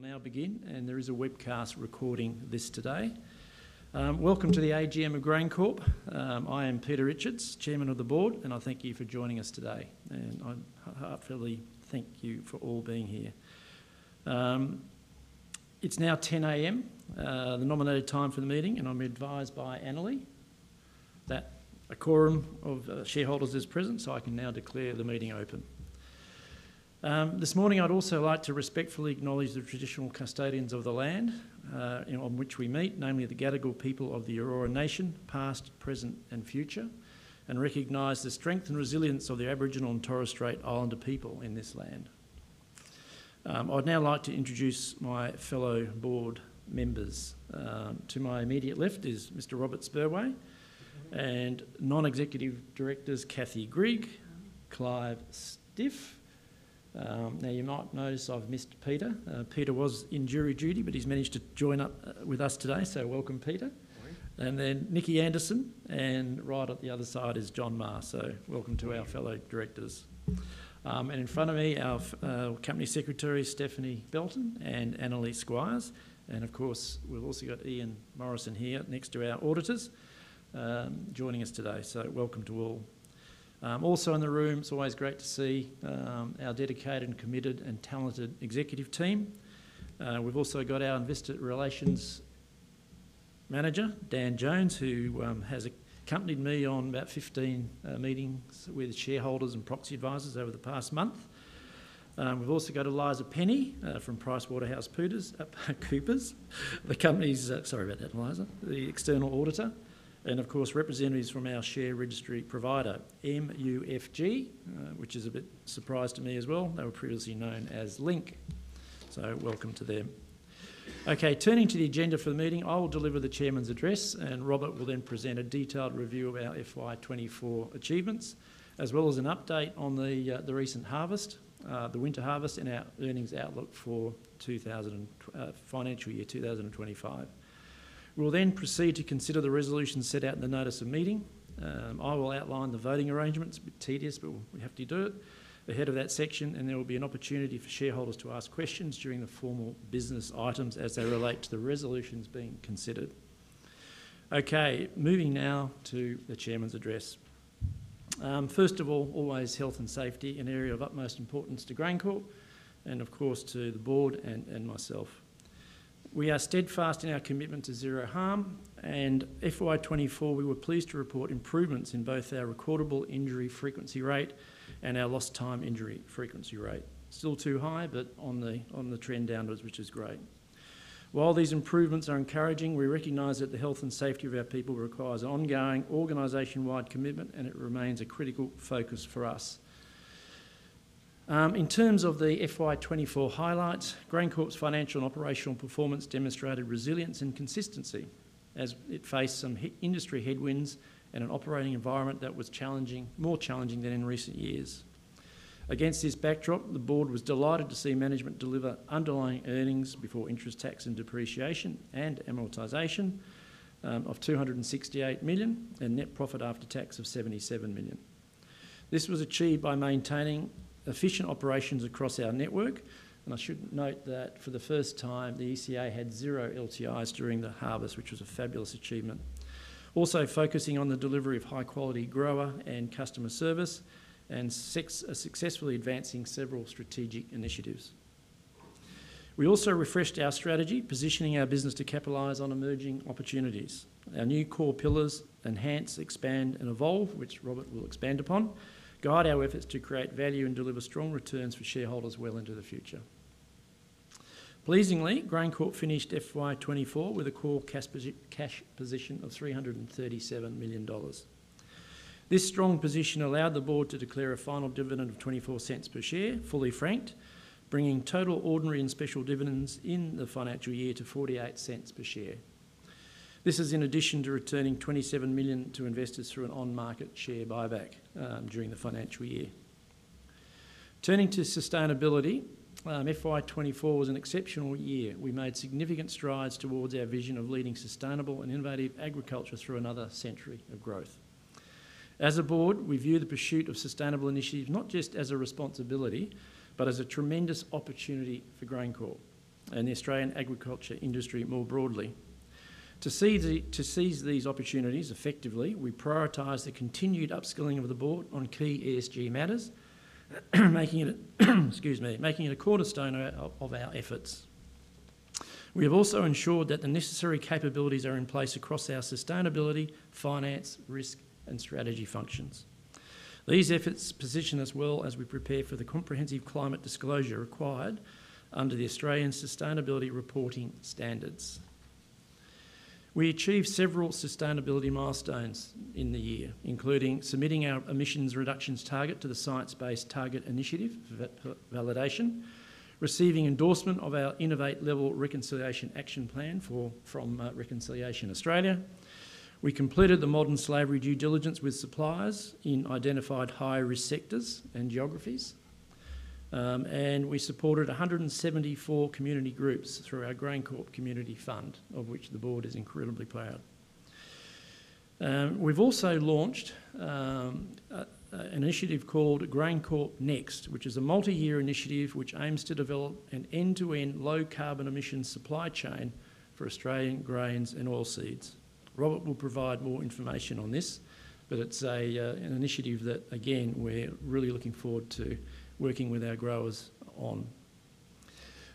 We'll now begin, and there is a webcast recording this today. Welcome to the AGM of GrainCorp. I am Peter Richards, Chairman of the Board, and I thank you for joining us today. And I wholeheartedly thank you for all being here. It's now 10:00 A.M., the nominated time for the meeting, and I'm advised by Annerly that a quorum of shareholders is present, so I can now declare the meeting open. This morning, I'd also like to respectfully acknowledge the traditional custodians of the land on which we meet, namely the Gadigal people of the Eora Nation, past, present, and future, and recognize the strength and resilience of the Aboriginal and Torres Strait Islander people in this land. I'd now like to introduce my fellow board members. To my immediate left is Mr. Robert Spurway, and non-executive directors Kathy Grigg, Clive Stiff. Now, you might notice I've missed Peter. Peter was in jury duty, but he's managed to join up with us today, so welcome, Peter. Morning. And then Nikki Anderson, and right at the other side is John Maher, so welcome to our fellow directors. And in front of me, our company secretary, Stephanie Belton, and Annerly Squires. And of course, we've also got Ian Morrison here next to our auditors joining us today, so welcome to all. Also in the room, it's always great to see our dedicated, committed, and talented executive team. We've also got our investor relations manager, Dan Jones, who has accompanied me on about 15 meetings with shareholders and proxy advisors over the past month. We've also got Eliza Penny from PricewaterhouseCoopers, the company's, sorry about that, Eliza, the external auditor. And of course, representatives from our share registry provider, MUFG, which is a bit of a surprise to me as well. They were previously known as Link, so welcome to them. Okay, turning to the agenda for the meeting, I will deliver the chairman's address, and Robert will then present a detailed review of our FY24 achievements, as well as an update on the recent harvest, the winter harvest, and our earnings outlook for financial year 2025. We'll then proceed to consider the resolutions set out in the notice of meeting. I will outline the voting arrangements, a bit tedious but we have to do it, ahead of that section, and there will be an opportunity for shareholders to ask questions during the formal business items as they relate to the resolutions being considered. Okay, moving now to the chairman's address. First of all, always health and safety an area of utmost importance to GrainCorp, and of course to the board and myself. We are steadfast in our commitment to zero harm, and FY24, we were pleased to report improvements in both our recordable injury frequency rate and our lost time injury frequency rate. Still too high, but on the trend downwards, which is great. While these improvements are encouraging, we recognize that the health and safety of our people requires ongoing organization-wide commitment, and it remains a critical focus for us. In terms of the FY24 highlights, GrainCorp's financial and operational performance demonstrated resilience and consistency as it faced some industry headwinds and an operating environment that was more challenging than in recent years. Against this backdrop, the board was delighted to see management deliver underlying earnings before interest, taxes, depreciation, and amortization of 268 million and net profit after tax of 77 million. This was achieved by maintaining efficient operations across our network, and I should note that for the first time, the ECA had zero LTIs during the harvest, which was a fabulous achievement. Also focusing on the delivery of high-quality grower and customer service and successfully advancing several strategic initiatives. We also refreshed our strategy, positioning our business to capitalize on emerging opportunities. Our new core pillars, enhance, expand, and evolve, which Robert will expand upon, guide our efforts to create value and deliver strong returns for shareholders well into the future. Pleasingly, GrainCorp finished FY24 with a core cash position of 337 million dollars. This strong position allowed the board to declare a final dividend of 0.24 per share, fully franked, bringing total ordinary and special dividends in the financial year to 0.48 per share. This is in addition to returning 27 million to investors through an on-market share buyback during the financial year. Turning to sustainability, FY24 was an exceptional year. We made significant strides towards our vision of leading sustainable and innovative agriculture through another century of growth. As a board, we view the pursuit of sustainable initiatives not just as a responsibility, but as a tremendous opportunity for GrainCorp and the Australian agriculture industry more broadly. To seize these opportunities effectively, we prioritized the continued upskilling of the board on key ESG matters, making it a cornerstone of our efforts. We have also ensured that the necessary capabilities are in place across our sustainability, finance, risk, and strategy functions. These efforts position us well as we prepare for the comprehensive climate disclosure required under the Australian Sustainability Reporting Standards. We achieved several sustainability milestones in the year, including submitting our emissions reductions target to the Science Based Targets initiative for validation, receiving endorsement of our Innovate Reconciliation Action Plan from Reconciliation Australia. We completed the modern slavery due diligence with suppliers in identified high-risk sectors and geographies, and we supported 174 community groups through our GrainCorp Community Fund, of which the board is incredibly proud. We've also launched an initiative called GrainConnect, which is a multi-year initiative which aims to develop an end-to-end low-carbon emissions supply chain for Australian grains and oilseeds. Robert will provide more information on this, but it's an initiative that, again, we're really looking forward to working with our growers on.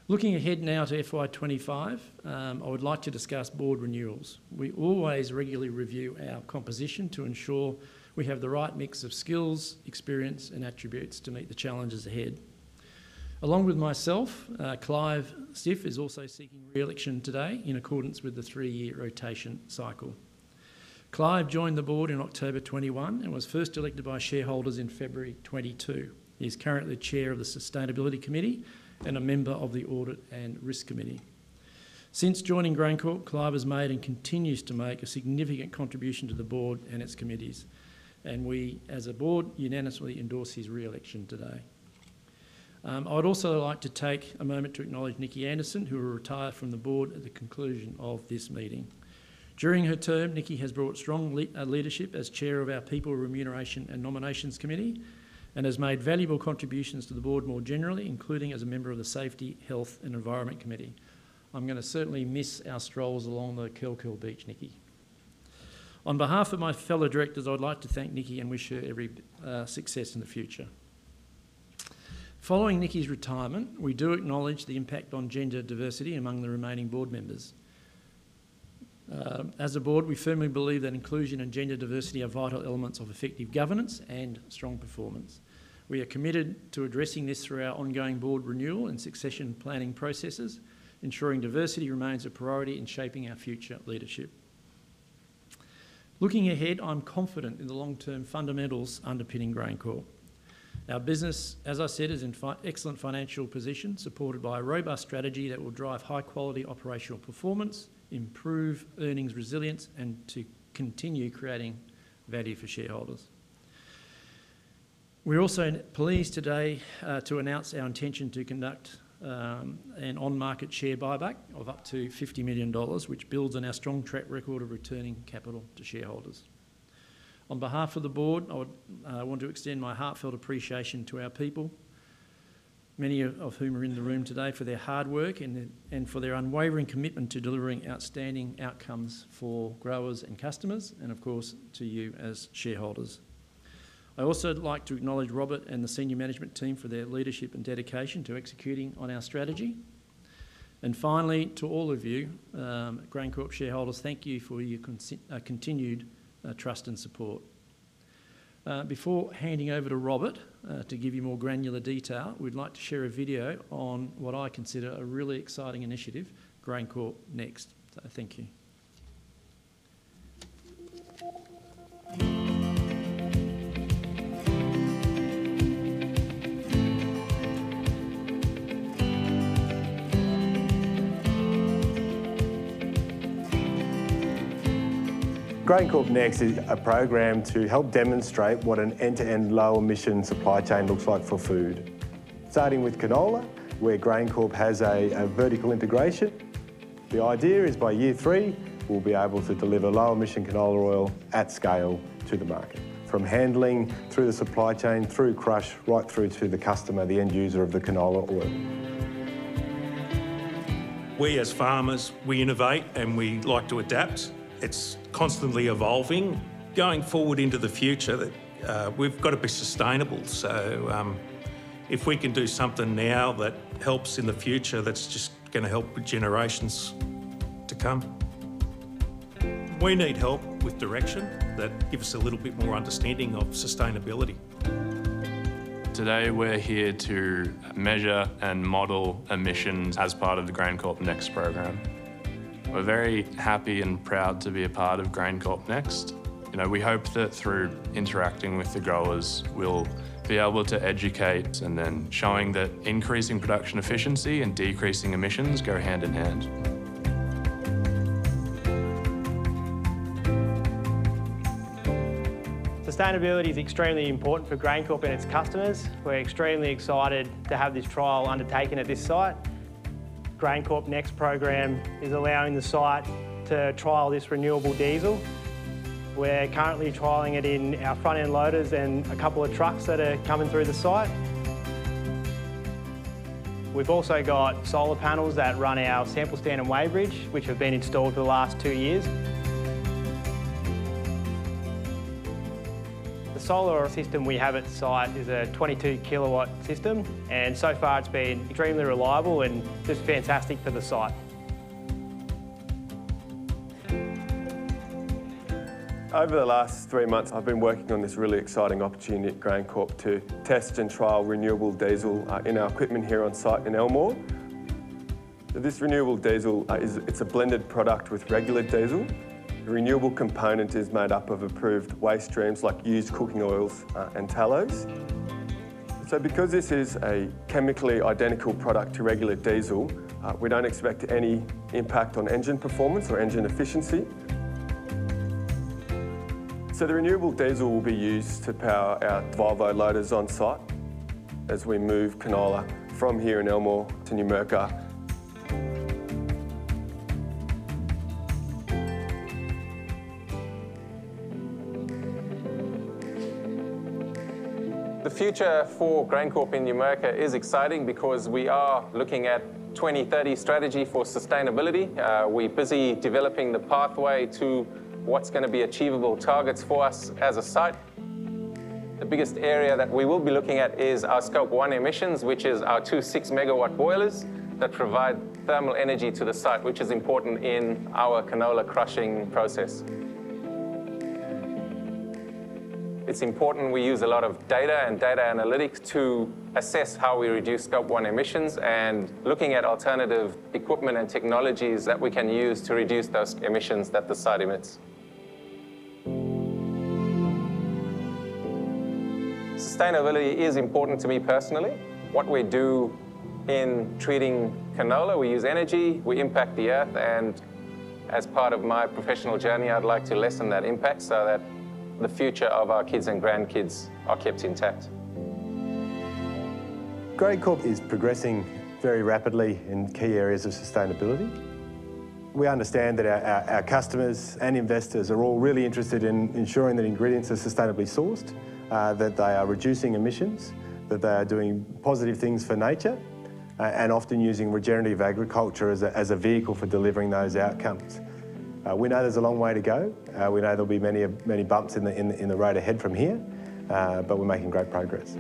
Looking ahead now to FY25, I would like to discuss board renewals. We always regularly review our composition to ensure we have the right mix of skills, experience, and attributes to meet the challenges ahead. Along with myself, Clive Stiff is also seeking re-election today in accordance with the three-year rotation cycle. Clive joined the board in October 2021 and was first elected by shareholders in February 2022. He is currently Chair of the Sustainability Committee and a member of the Audit and Risk Committee. Since joining GrainCorp, Clive has made and continues to make a significant contribution to the board and its committees, and we, as a board, unanimously endorse his re-election today. I'd also like to take a moment to acknowledge Nikki Anderson, who will retire from the board at the conclusion of this meeting. During her term, Nikki has brought strong leadership as chair of our People, Remuneration, and Nominations Committee and has made valuable contributions to the board more generally, including as a member of the Safety, Health, and Environment Committee. I'm going to certainly miss our strolls along the Killcare Beach, Nikki. On behalf of my fellow directors, I'd like to thank Nikki and wish her every success in the future. Following Nikki's retirement, we do acknowledge the impact on gender diversity among the remaining board members. As a board, we firmly believe that inclusion and gender diversity are vital elements of effective governance and strong performance. We are committed to addressing this through our ongoing board renewal and succession planning processes, ensuring diversity remains a priority in shaping our future leadership. Looking ahead, I'm confident in the long-term fundamentals underpinning GrainCorp. Our business, as I said, is in excellent financial position, supported by a robust strategy that will drive high-quality operational performance, improve earnings resilience, and continue creating value for shareholders. We're also pleased today to announce our intention to conduct an on-market share buyback of up to 50 million dollars, which builds on our strong track record of returning capital to shareholders. On behalf of the board, I want to extend my heartfelt appreciation to our people, many of whom are in the room today, for their hard work and for their unwavering commitment to delivering outstanding outcomes for growers and customers, and of course, to you as shareholders. I'd also like to acknowledge Robert and the senior management team for their leadership and dedication to executing on our strategy, and finally, to all of you GrainCorp shareholders, thank you for your continued trust and support. Before handing over to Robert to give you more granular detail, we'd like to share a video on what I consider a really exciting initiative, GrainCorp Next. Thank you. GrainCorp Next is a program to help demonstrate what an end-to-end low-emission supply chain looks like for food, starting with canola, where GrainCorp has a vertical integration. The idea is by year three, we'll be able to deliver low-emission canola oil at scale to the market, from handling through the supply chain, through crush, right through to the customer, the end user of the canola oil. We as farmers, we innovate and we like to adapt. It's constantly evolving. Going forward into the future, we've got to be sustainable. So if we can do something now that helps in the future, that's just going to help with generations to come. We need help with direction that gives us a little bit more understanding of sustainability. Today, we're here to measure and model emissions as part of the GrainCorp Next program. We're very happy and proud to be a part of GrainCorp Next. We hope that through interacting with the growers, we'll be able to educate. And then showing that increasing production efficiency and decreasing emissions go hand in hand. Sustainability is extremely important for GrainCorp and its customers. We're extremely excited to have this trial undertaken at this site. GrainCorp Next program is allowing the site to trial this renewable diesel. We're currently trialing it in our front-end loaders and a couple of trucks that are coming through the site. We've also got solar panels that run our sample stand and weighbridge, which have been installed for the last two years. The solar system we have at the site is a 22 kilowatt system, and so far it's been extremely reliable and just fantastic for the site. Over the last three months, I've been working on this really exciting opportunity at GrainCorp to test and trial renewable diesel in our equipment here on site in Elmore. This renewable diesel, it's a blended product with regular diesel. The renewable component is made up of approved waste streams like used cooking oils and tallows. So because this is a chemically identical product to regular diesel, we don't expect any impact on engine performance or engine efficiency. So the renewable diesel will be used to power our Volvo loaders on site as we move canola from here in Elmore to Numurkah. The future for GrainCorp in Numurkah is exciting because we are looking at a 2030 strategy for sustainability. We're busy developing the pathway to what's going to be achievable targets for us as a site. The biggest area that we will be looking at is our Scope 1 emissions, which is our two six-megawatt boilers that provide thermal energy to the site, which is important in our canola crushing process. It's important we use a lot of data and data analytics to assess how we reduce Scope 1 emissions and looking at alternative equipment and technologies that we can use to reduce those emissions that the site emits. Sustainability is important to me personally. What we do in treating canola, we use energy, we impact the earth, and as part of my professional journey, I'd like to lessen that impact so that the future of our kids and grandkids are kept intact. GrainCorp is progressing very rapidly in key areas of sustainability. We understand that our customers and investors are all really interested in ensuring that ingredients are sustainably sourced, that they are reducing emissions, that they are doing positive things for nature, and often using regenerative agriculture as a vehicle for delivering those outcomes. We know there's a long way to go. We know there'll be many bumps in the road ahead from here, but we're making great progress.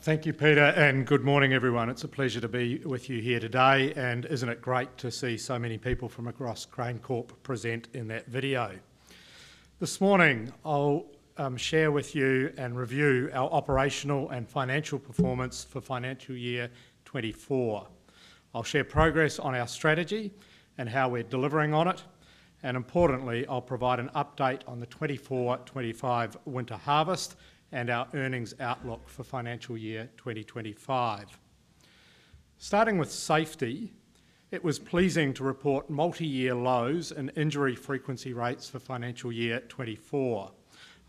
Thank you, Peter, and good morning, everyone. It's a pleasure to be with you here today, and isn't it great to see so many people from across GrainCorp present in that video? This morning, I'll share with you and review our operational and financial performance for financial year 2024. I'll share progress on our strategy and how we're delivering on it. Importantly, I'll provide an update on the 2024-2025 winter harvest and our earnings outlook for financial year 2025. Starting with safety, it was pleasing to report multi-year lows and injury frequency rates for financial year 2024,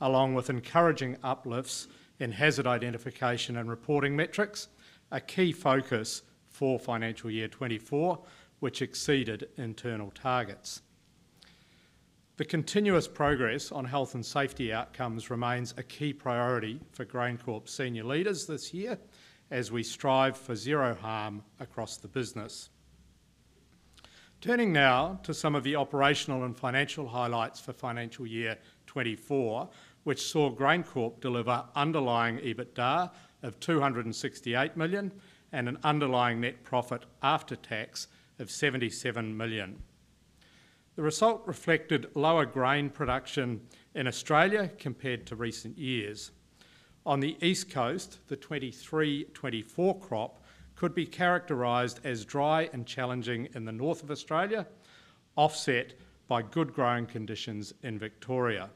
along with encouraging uplifts in hazard identification and reporting metrics, a key focus for financial year 2024, which exceeded internal targets. The continuous progress on health and safety outcomes remains a key priority for GrainCorp's senior leaders this year as we strive for zero harm across the business. Turning now to some of the operational and financial highlights for financial year 2024, which saw GrainCorp deliver underlying EBITDA of 268 million and an underlying net profit after tax of 77 million. The result reflected lower grain production in Australia compared to recent years. On the East Coast, the 2023-2024 crop could be characterized as dry and challenging in the north of Australia, offset by good growing conditions in Victoria.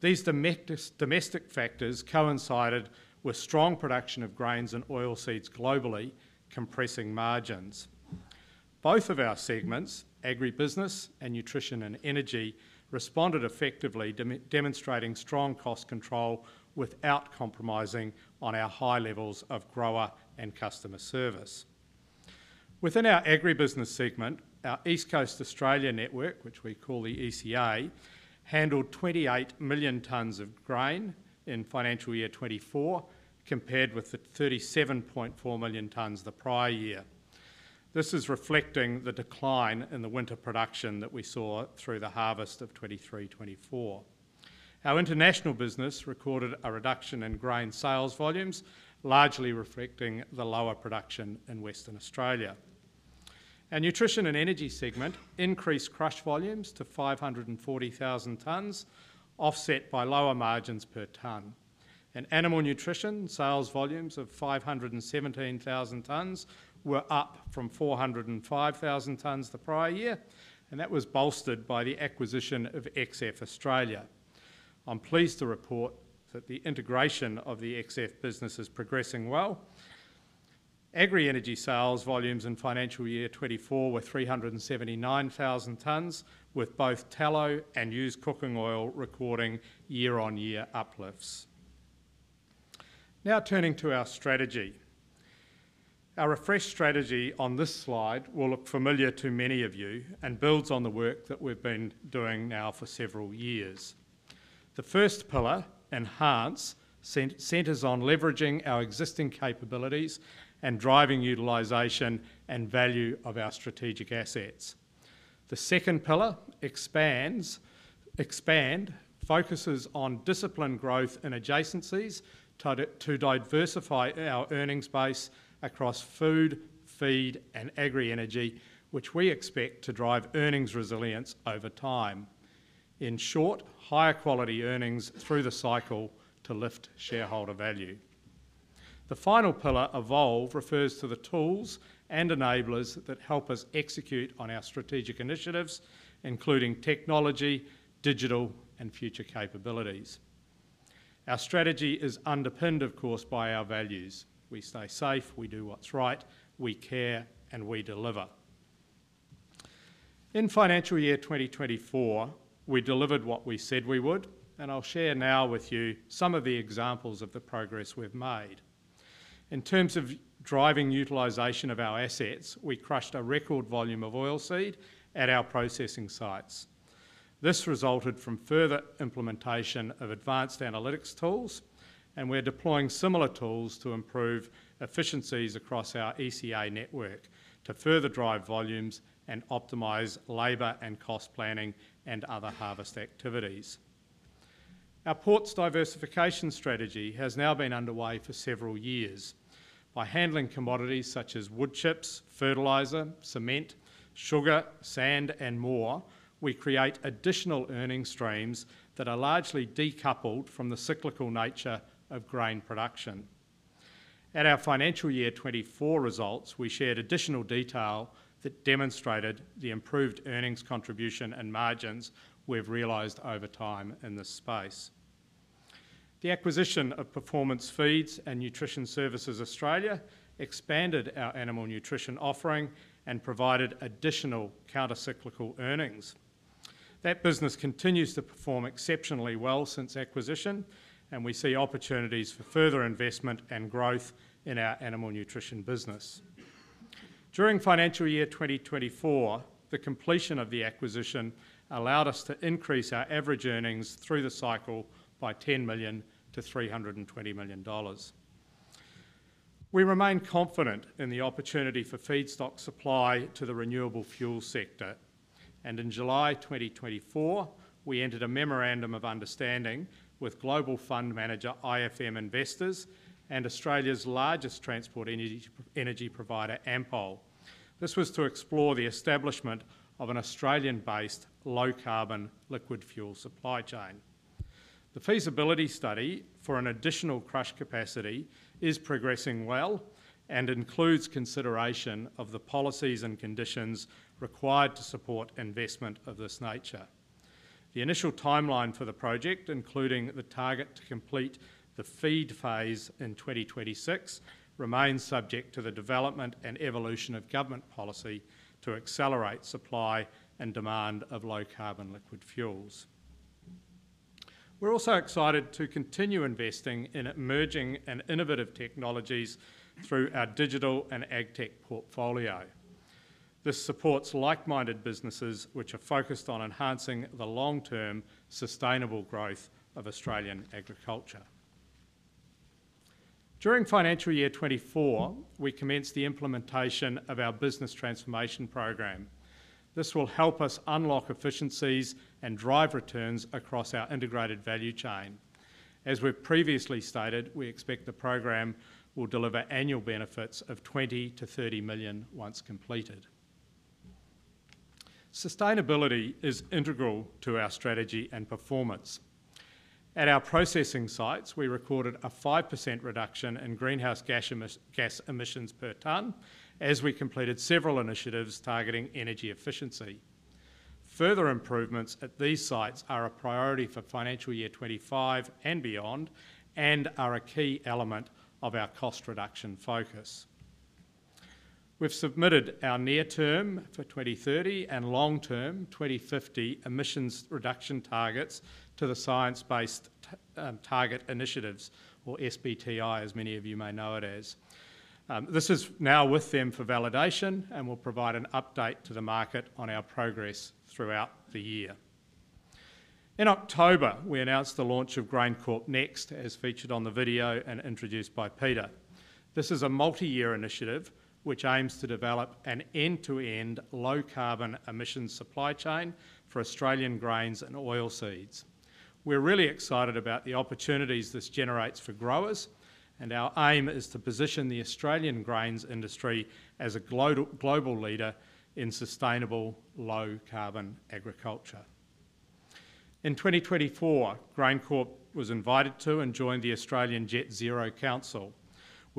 These domestic factors coincided with strong production of grains and oilseeds globally, compressing margins. Both of our segments, agribusiness and nutrition and energy, responded effectively, demonstrating strong cost control without compromising on our high levels of grower and customer service. Within our agribusiness segment, our East Coast Australia network, which we call the ECA, handled 28 million tons of grain in financial year 2024, compared with the 37.4 million tons the prior year. This is reflecting the decline in the winter production that we saw through the harvest of 2023-2024. Our international business recorded a reduction in grain sales volumes, largely reflecting the lower production in Western Australia. Our nutrition and energy segment increased crush volumes to 540,000 tons, offset by lower margins per tonne. And animal nutrition sales volumes of 517,000 tonnes were up from 405,000 tonnes the prior year, and that was bolstered by the acquisition of XF Australia. I'm pleased to report that the integration of the XF business is progressing well. Agri-energy sales volumes in financial year 2024 were 379,000 tons, with both tallow and used cooking oil recording year-on-year uplifts. Now turning to our strategy. Our refreshed strategy on this slide will look familiar to many of you and builds on the work that we've been doing now for several years. The first pillar, Enhance, centers on leveraging our existing capabilities and driving utilization and value of our strategic assets. The second pillar, Expand, focuses on disciplined growth and adjacencies to diversify our earnings base across food, feed, and agri-energy, which we expect to drive earnings resilience over time. In short, higher quality earnings through the cycle to lift shareholder value. The final pillar, Evolve, refers to the tools and enablers that help us execute on our strategic initiatives, including technology, digital, and future capabilities. Our strategy is underpinned, of course, by our values. We stay safe, we do what's right, we care, and we deliver. In financial year 2024, we delivered what we said we would, and I'll share now with you some of the examples of the progress we've made. In terms of driving utilization of our assets, we crushed a record volume of oilseed at our processing sites. This resulted from further implementation of advanced analytics tools, and we're deploying similar tools to improve efficiencies across our ECA network to further drive volumes and optimize labor and cost planning and other harvest activities. Our ports diversification strategy has now been underway for several years. By handling commodities such as wood chips, fertilizer, cement, sugar, sand, and more, we create additional earnings streams that are largely decoupled from the cyclical nature of grain production. At our financial year 2024 results, we shared additional detail that demonstrated the improved earnings contribution and margins we've realized over time in this space. The acquisition of Performance Feeds and Nutrition Services Australia expanded our animal nutrition offering and provided additional countercyclical earnings. That business continues to perform exceptionally well since acquisition, and we see opportunities for further investment and growth in our animal nutrition business. During financial year 2024, the completion of the acquisition allowed us to increase our average earnings through the cycle by 10 million to 320 million dollars. We remain confident in the opportunity for feedstock supply to the renewable fuel sector, and in July 2024, we entered a memorandum of understanding with Global Fund Manager IFM Investors and Australia's largest transport energy provider, Ampol. This was to explore the establishment of an Australian-based low-carbon liquid fuel supply chain. The feasibility study for an additional crush capacity is progressing well and includes consideration of the policies and conditions required to support investment of this nature. The initial timeline for the project, including the target to complete the feed phase in 2026, remains subject to the development and evolution of government policy to accelerate supply and demand of low-carbon liquid fuels. We're also excited to continue investing in emerging and innovative technologies through our digital and agtech portfolio. This supports like-minded businesses which are focused on enhancing the long-term sustainable growth of Australian agriculture. During financial year 2024, we commenced the implementation of our Business Transformation Program. This will help us unlock efficiencies and drive returns across our integrated value chain. As we've previously stated, we expect the program will deliver annual benefits of 20 million-30 million once completed. Sustainability is integral to our strategy and performance. At our processing sites, we recorded a 5% reduction in greenhouse gas emissions per tonne as we completed several initiatives targeting energy efficiency. Further improvements at these sites are a priority for financial year 2025 and beyond and are a key element of our cost reduction focus. We've submitted our near-term for 2030 and long-term 2050 emissions reduction targets to the Science Based Targets initiative, or SBTi, as many of you may know it as. This is now with them for validation, and we'll provide an update to the market on our progress throughout the year. In October, we announced the launch of GrainCorp Next, as featured on the video and introduced by Peter. This is a multi-year initiative which aims to develop an end-to-end low-carbon emissions supply chain for Australian grains and oilseeds. We're really excited about the opportunities this generates for growers, and our aim is to position the Australian grains industry as a global leader in sustainable low-carbon agriculture. In 2024, GrainCorp was invited to and joined the Australian Jet Zero Council.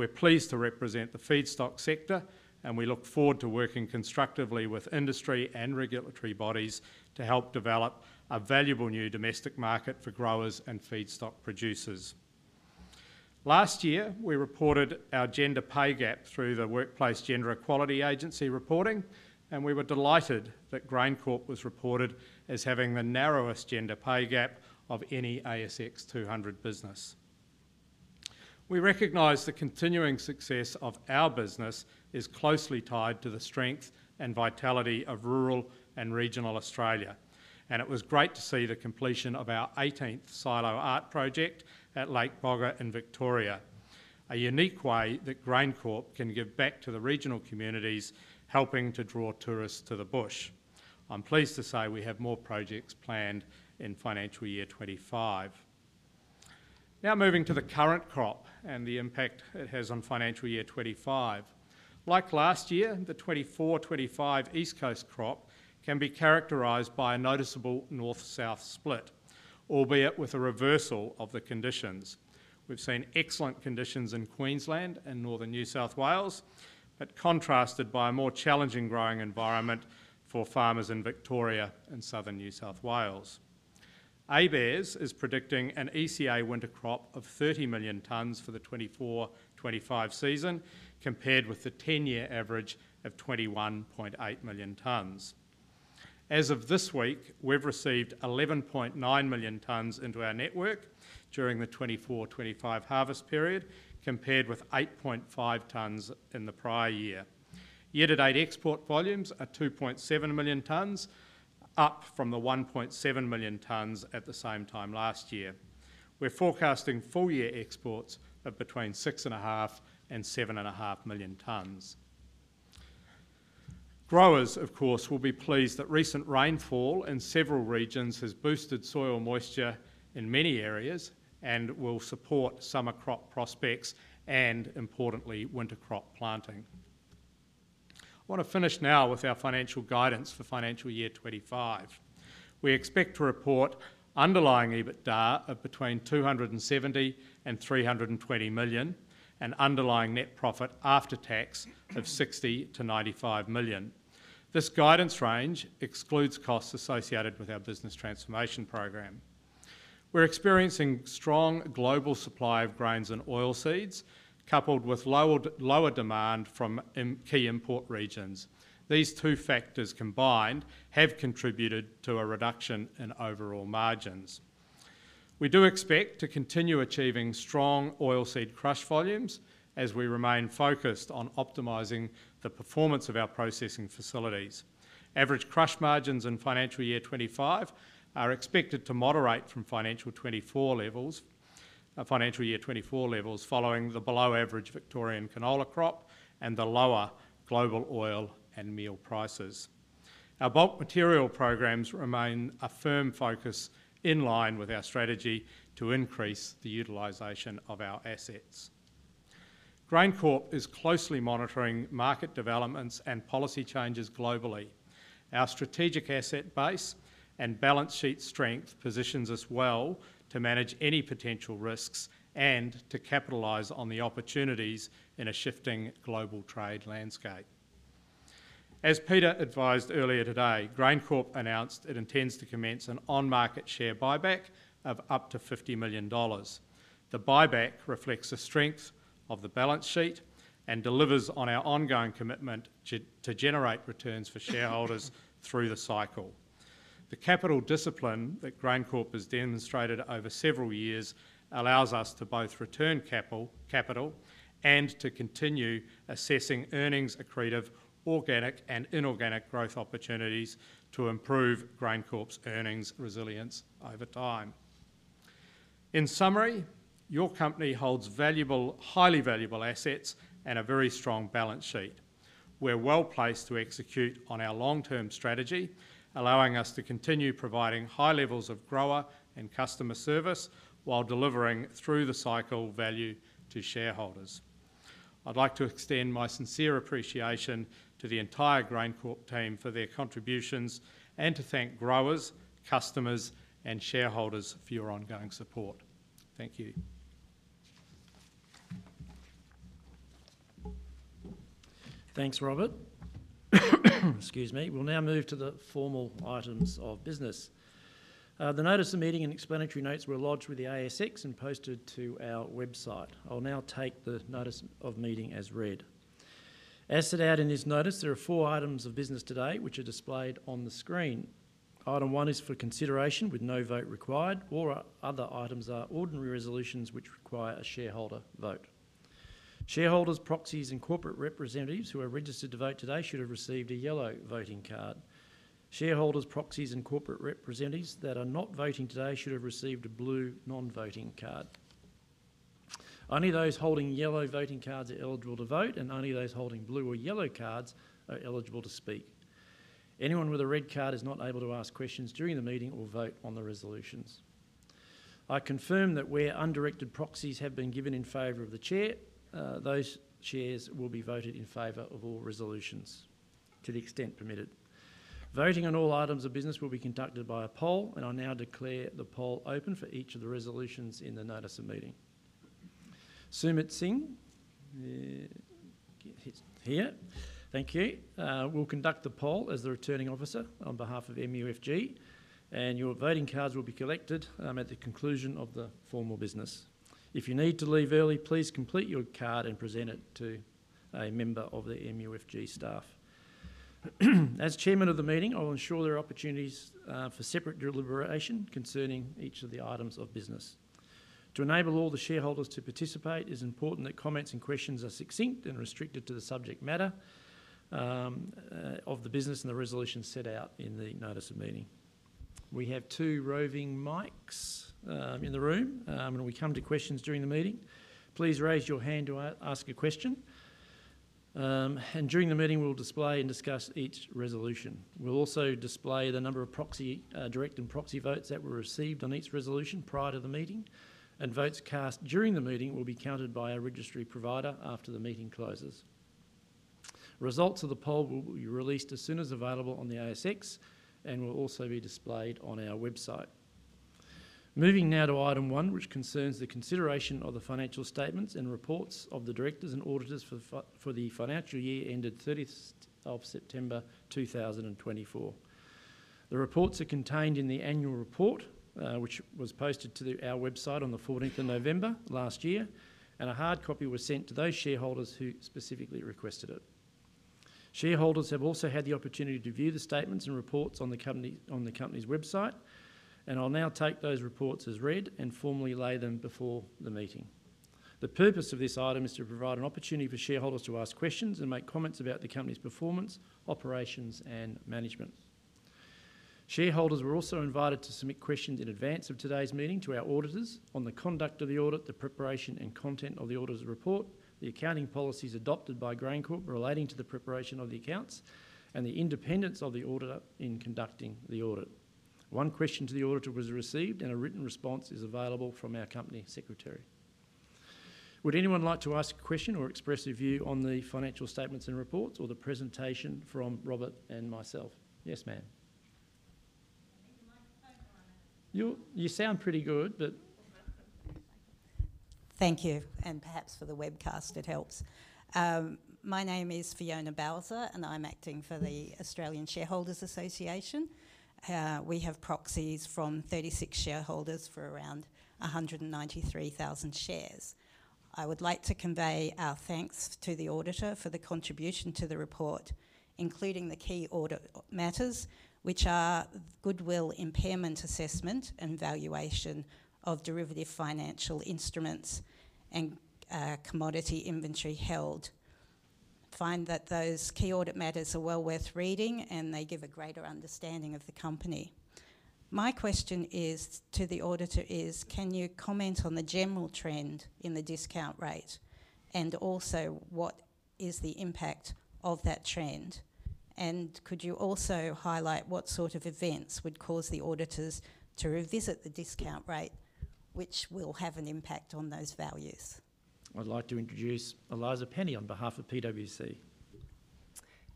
We're pleased to represent the feedstock sector, and we look forward to working constructively with industry and regulatory bodies to help develop a valuable new domestic market for growers and feedstock producers. Last year, we reported our gender pay gap through the Workplace Gender Equality Agency reporting, and we were delighted that GrainCorp was reported as having the narrowest gender pay gap of any ASX 200 business. We recognize the continuing success of our business is closely tied to the strength and vitality of rural and regional Australia, and it was great to see the completion of our 18th silo art project at Lake Boga in Victoria, a unique way that GrainCorp can give back to the regional communities, helping to draw tourists to the bush. I'm pleased to say we have more projects planned in financial year 2025. Now moving to the current crop and the impact it has on financial year 2025. Like last year, the 2024-2025 East Coast crop can be characterized by a noticeable north-south split, albeit with a reversal of the conditions. We've seen excellent conditions in Queensland and northern New South Wales, but contrasted by a more challenging growing environment for farmers in Victoria and southern New South Wales. ABARES is predicting an ECA winter crop of 30 million tonnes for the 2024-2025 season, compared with the 10-year average of 21.8 million tonnes. As of this week, we've received 11.9 million tonnes into our network during the 2024-2025 harvest period, compared with 8.5 million tonnes in the prior year. Year-to-date export volumes are 2.7 million tonnes, up from the 1.7 million tonnes at the same time last year. We're forecasting full-year exports of between 6.5 and 7.5 million tonnes. Growers, of course, will be pleased that recent rainfall in several regions has boosted soil moisture in many areas and will support summer crop prospects and, importantly, winter crop planting. I want to finish now with our financial guidance for financial year 2025. We expect to report underlying EBITDA of between 270 and 320 million and underlying net profit after tax of 60 to 95 million. This guidance range excludes costs associated with our business transformation program. We're experiencing strong global supply of grains and oilseeds, coupled with lower demand from key import regions. These two factors combined have contributed to a reduction in overall margins. We do expect to continue achieving strong oilseed crush volumes as we remain focused on optimising the performance of our processing facilities. Average crush margins in financial year 2025 are expected to moderate from financial year 2024 levels following the below-average Victorian canola crop and the lower global oil and meal prices. Our bulk material programs remain a firm focus in line with our strategy to increase the utilization of our assets. GrainCorp is closely monitoring market developments and policy changes globally. Our strategic asset base and balance sheet strength positions us well to manage any potential risks and to capitalize on the opportunities in a shifting global trade landscape. As Peter advised earlier today, GrainCorp announced it intends to commence an on-market share buyback of up to 50 million dollars. The buyback reflects the strength of the balance sheet and delivers on our ongoing commitment to generate returns for shareholders through the cycle. The capital discipline that GrainCorp has demonstrated over several years allows us to both return capital and to continue assessing earnings accretive organic and inorganic growth opportunities to improve GrainCorp's earnings resilience over time. In summary, your company holds highly valuable assets and a very strong balance sheet. We're well placed to execute on our long-term strategy, allowing us to continue providing high levels of grower and customer service while delivering through the cycle value to shareholders. I'd like to extend my sincere appreciation to the entire GrainCorp team for their contributions and to thank growers, customers, and shareholders for your ongoing support. Thank you. Thanks, Robert. Excuse me. We'll now move to the formal items of business. The notice of meeting and explanatory notes were lodged with the ASX and posted to our website. I'll now take the notice of meeting as read. As set out in this notice, there are four items of business today which are displayed on the screen. Item one is for consideration with no vote required. The other items are ordinary resolutions which require a shareholder vote. Shareholders, proxies, and corporate representatives who are registered to vote today should have received a yellow voting card. Shareholders, proxies, and corporate representatives that are not voting today should have received a blue non-voting card. Only those holding yellow voting cards are eligible to vote, and only those holding blue or yellow cards are eligible to speak. Anyone with a red card is not able to ask questions during the meeting or vote on the resolutions. I confirm that where undirected proxies have been given in favour of the Chair, those proxies will be voted in favour of all resolutions to the extent permitted. Voting on all items of business will be conducted by a poll, and I now declare the poll open for each of the resolutions in the notice of meeting. Sumit Singh. He's here. Thank you. We'll conduct the poll as the returning officer on behalf of MUFG, and your voting cards will be collected at the conclusion of the formal business. If you need to leave early, please complete your card and present it to a member of the MUFG staff. As chairman of the meeting, I will ensure there are opportunities for separate deliberation concerning each of the items of business. To enable all the shareholders to participate, it is important that comments and questions are succinct and restricted to the subject matter of the business and the resolutions set out in the notice of meeting. We have two roving mics in the room, and we come to questions during the meeting. Please raise your hand to ask a question, and during the meeting, we'll display and discuss each resolution. We'll also display the number of direct and proxy votes that were received on each resolution prior to the meeting, and votes cast during the meeting will be counted by our registry provider after the meeting closes. Results of the poll will be released as soon as available on the ASX and will also be displayed on our website. Moving now to item one, which concerns the consideration of the financial statements and reports of the directors and auditors for the financial year ended 30th of September 2024. The reports are contained in the annual report, which was posted to our website on the 14th of November last year, and a hard copy was sent to those shareholders who specifically requested it. Shareholders have also had the opportunity to view the statements and reports on the company's website, and I'll now take those reports as read and formally lay them before the meeting. The purpose of this item is to provide an opportunity for shareholders to ask questions and make comments about the company's performance, operations, and management. Shareholders were also invited to submit questions in advance of today's meeting to our auditors on the conduct of the audit, the preparation and content of the auditor's report, the accounting policies adopted by GrainCorp relating to the preparation of the accounts, and the independence of the auditor in conducting the audit. One question to the auditor was received, and a written response is available from our company secretary. Would anyone like to ask a question or express a view on the financial statements and reports or the presentation from Robert and myself? Yes, ma'am. You sound pretty good, but. Thank you. And perhaps for the webcast, it helps. My name is Fiona Balzer, and I'm acting for the Australian Shareholders' Association. We have proxies from 36 shareholders for around 193,000 shares. I would like to convey our thanks to the auditor for the contribution to the report, including the key audit matters, which are goodwill impairment assessment and valuation of derivative financial instruments and commodity inventory held. I find that those key audit matters are well worth reading, and they give a greater understanding of the company. My question to the auditor is, can you comment on the general trend in the discount rate and also what is the impact of that trend? Could you also highlight what sort of events would cause the auditors to revisit the discount rate, which will have an impact on those values? I'd like to introduce Eliza Penny on behalf of PwC.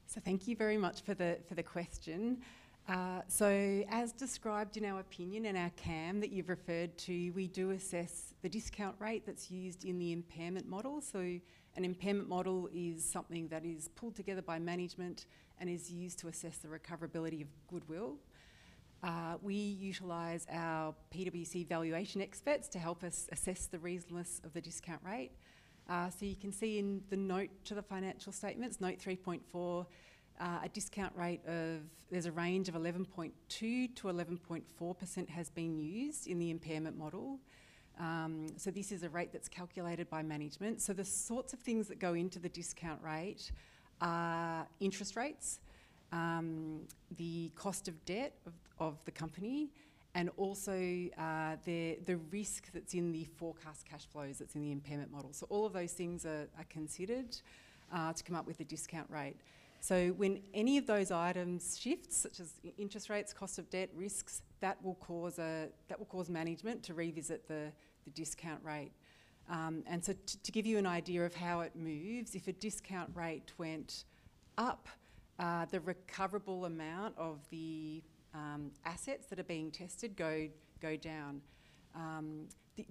So thank you very much for the question. So as described in our opinion and our CAM that you've referred to, we do assess the discount rate that's used in the impairment model. So an impairment model is something that is pulled together by management and is used to assess the recoverability of goodwill. We utilize our PwC valuation experts to help us assess the reasonableness of the discount rate. You can see in the note to the financial statements, note 3.4, a discount rate. There's a range of 11.2%-11.4% has been used in the impairment model. This is a rate that's calculated by management. The sorts of things that go into the discount rate are interest rates, the cost of debt of the company, and also the risk that's in the forecast cash flows in the impairment model. All of those things are considered to come up with the discount rate. When any of those items shift, such as interest rates, cost of debt, risks, that will cause management to revisit the discount rate. To give you an idea of how it moves, if a discount rate went up, the recoverable amount of the assets that are being tested go down.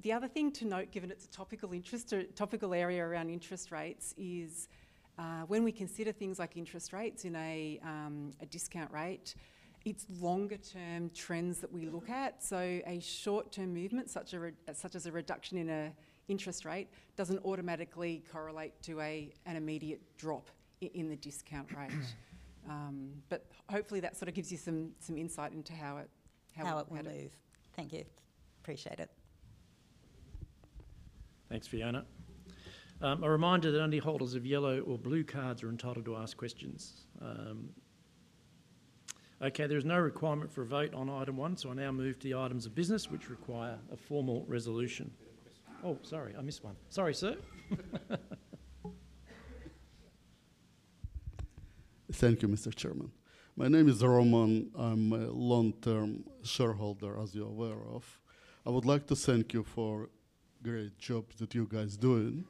The other thing to note, given it's a topical area around interest rates, is when we consider things like interest rates in a discount rate, it's longer-term trends that we look at. So a short-term movement, such as a reduction in an interest rate, doesn't automatically correlate to an immediate drop in the discount rate. But hopefully that sort of gives you some insight into how it will move. Thank you. Appreciate it. Thanks, Fiona. A reminder that only holders of yellow or blue cards are entitled to ask questions. Okay, there is no requirement for a vote on item one, so I now move to the items of business, which require a formal resolution. Oh, sorry, I missed one. Sorry, sir. Thank you, Mr. Chairman. My name is Roman. I'm a long-term shareholder, as you're aware of. I would like to thank you for the great job that you guys are doing.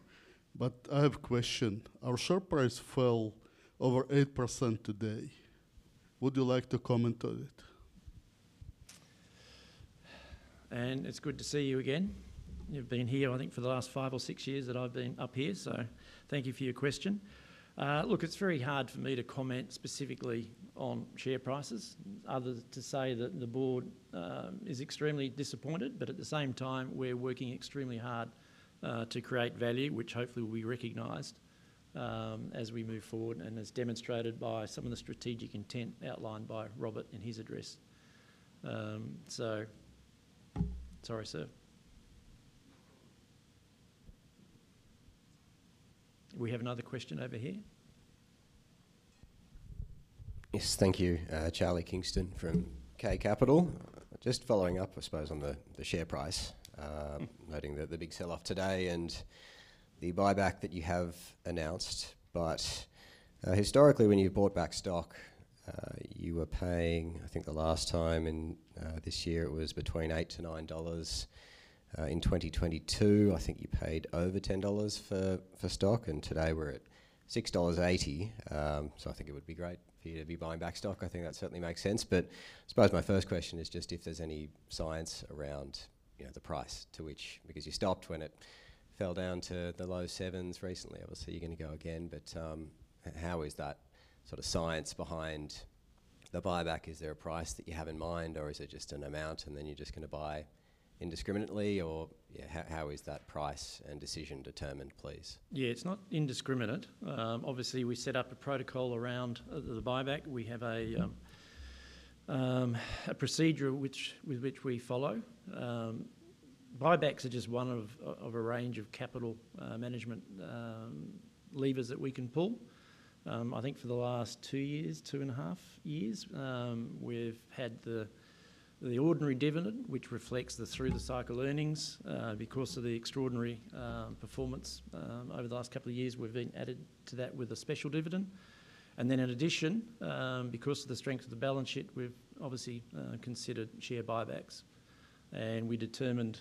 But I have a question. Our share price fell over 8% today. Would you like to comment on it? And it's good to see you again. You've been here, I think, for the last five or six years that I've been up here, so thank you for your question. Look, it's very hard for me to comment specifically on share prices, other than to say that the board is extremely disappointed, but at the same time, we're working extremely hard to create value, which hopefully will be recognized as we move forward and as demonstrated by some of the strategic intent outlined by Robert in his address. So sorry, sir. We have another question over here. Yes, thank you. Charlie Kingston from Key Capital. Just following up, I suppose, on the share price, noting that the big sell-off today and the buyback that you have announced. But historically, when you bought back stock, you were paying, I think the last time in this year, it was between 8 to 9 dollars. In 2022, I think you paid over 10 dollars for stock, and today we're at 6.80 dollars. So I think it would be great for you to be buying back stock. I think that certainly makes sense. But I suppose my first question is just if there's any science around the price to which, because you stopped when it fell down to the low sevens recently. Obviously, you're going to go again, but how is that sort of science behind the buyback? Is there a price that you have in mind, or is it just an amount and then you're just going to buy indiscriminately? Or how is that price and decision determined, please? Yeah, it's not indiscriminate. Obviously, we set up a protocol around the buyback. We have a procedure with which we follow. Buybacks are just one of a range of capital management levers that we can pull. I think for the last two years, two and a half years, we've had the ordinary dividend, which reflects the through-the-cycle earnings because of the extraordinary performance over the last couple of years. We've been added to that with a special dividend. And then in addition, because of the strength of the balance sheet, we've obviously considered share buybacks. And we determined,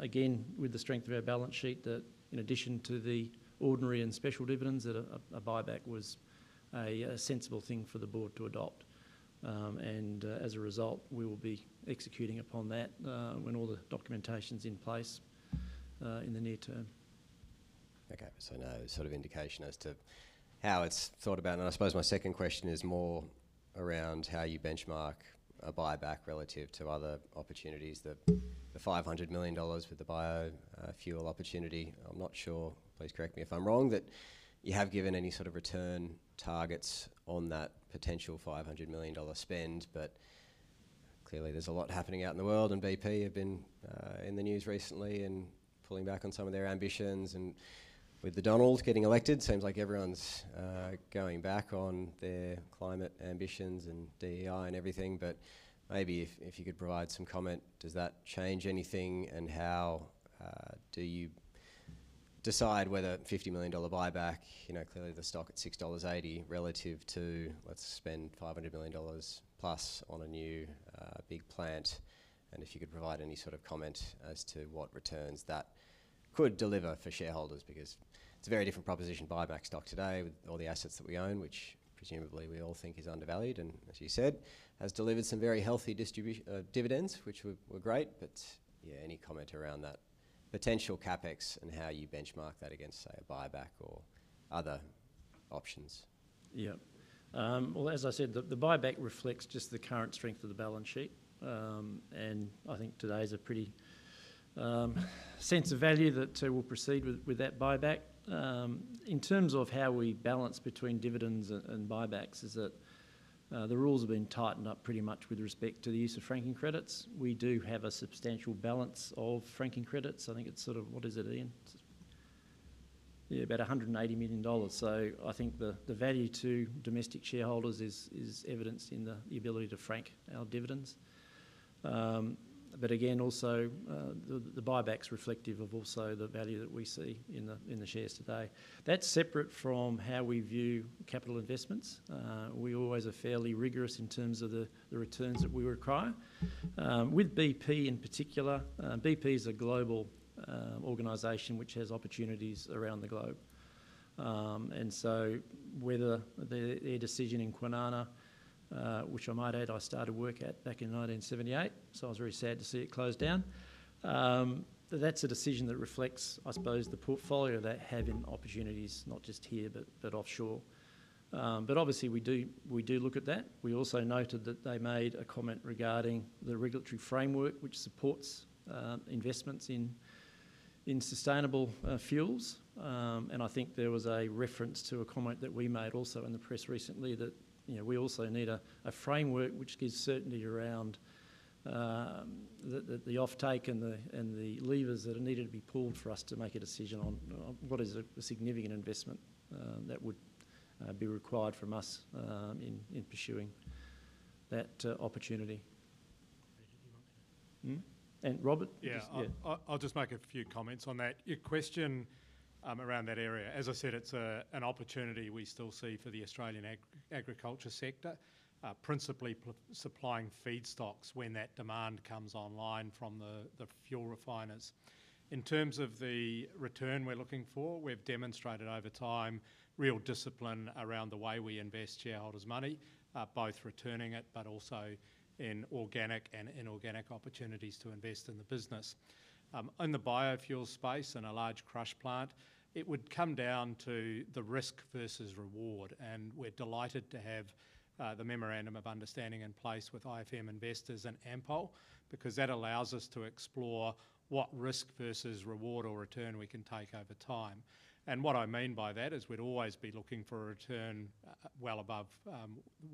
again, with the strength of our balance sheet, that in addition to the ordinary and special dividends, that a buyback was a sensible thing for the board to adopt. And as a result, we will be executing upon that when all the documentation's in place in the near term. Okay, so no sort of indication as to how it's thought about. And I suppose my second question is more around how you benchmark a buyback relative to other opportunities. The 500 million dollars for the biofuel opportunity, I'm not sure. Please correct me if I'm wrong, that you have given any sort of return targets on that potential 500 million dollar spend. But clearly, there's a lot happening out in the world, and BP have been in the news recently and pulling back on some of their ambitions. And with the Donald getting elected, it seems like everyone's going back on their climate ambitions and DEI and everything. But maybe if you could provide some comment, does that change anything? And how do you decide whether 50 million dollar buyback, clearly the stock at 6.80 dollars relative to, let's spend 500 million dollars plus on a new big plant? And if you could provide any sort of comment as to what returns that could deliver for shareholders, because it's a very different proposition buyback stock today with all the assets that we own, which presumably we all think is undervalued. And as you said, has delivered some very healthy dividends, which were great. But yeah, any comment around that potential CapEx and how you benchmark that against, say, a buyback or other options? Yeah. Well, as I said, the buyback reflects just the current strength of the balance sheet. And I think today's a pretty sense of value that we'll proceed with that buyback. In terms of how we balance between dividends and buybacks, it's that the rules have been tightened up pretty much with respect to the use of franking credits. We do have a substantial balance of franking credits. I think it's sort of, what is it again? Yeah, about 180 million dollars. So I think the value to domestic shareholders is evidenced in the ability to frank our dividends. But again, also the buyback's reflective of also the value that we see in the shares today. That's separate from how we view capital investments. We always are fairly rigorous in terms of the returns that we require. With BP in particular, BP is a global organization which has opportunities around the globe. And so whether their decision in Kwinana, which I might add I started work at back in 1978, so I was very sad to see it close down, that's a decision that reflects, I suppose, the portfolio they have in opportunities, not just here, but offshore. But obviously, we do look at that. We also noted that they made a comment regarding the regulatory framework which supports investments in sustainable fuels. And I think there was a reference to a comment that we made also in the press recently that we also need a framework which gives certainty around the offtake and the levers that are needed to be pulled for us to make a decision on what is a significant investment that would be required from us in pursuing that opportunity. And Robert? Yeah. I'll just make a few comments on that. Your question around that area, as I said, it's an opportunity we still see for the Australian agriculture sector, principally supplying feedstocks when that demand comes online from the fuel refiners. In terms of the return we're looking for, we've demonstrated over time real discipline around the way we invest shareholders' money, both returning it, but also in organic and inorganic opportunities to invest in the business. In the biofuel space and a large crush plant, it would come down to the risk versus reward. And we're delighted to have the memorandum of understanding in place with IFM Investors and Ampol, because that allows us to explore what risk versus reward or return we can take over time. And what I mean by that is we'd always be looking for a return well above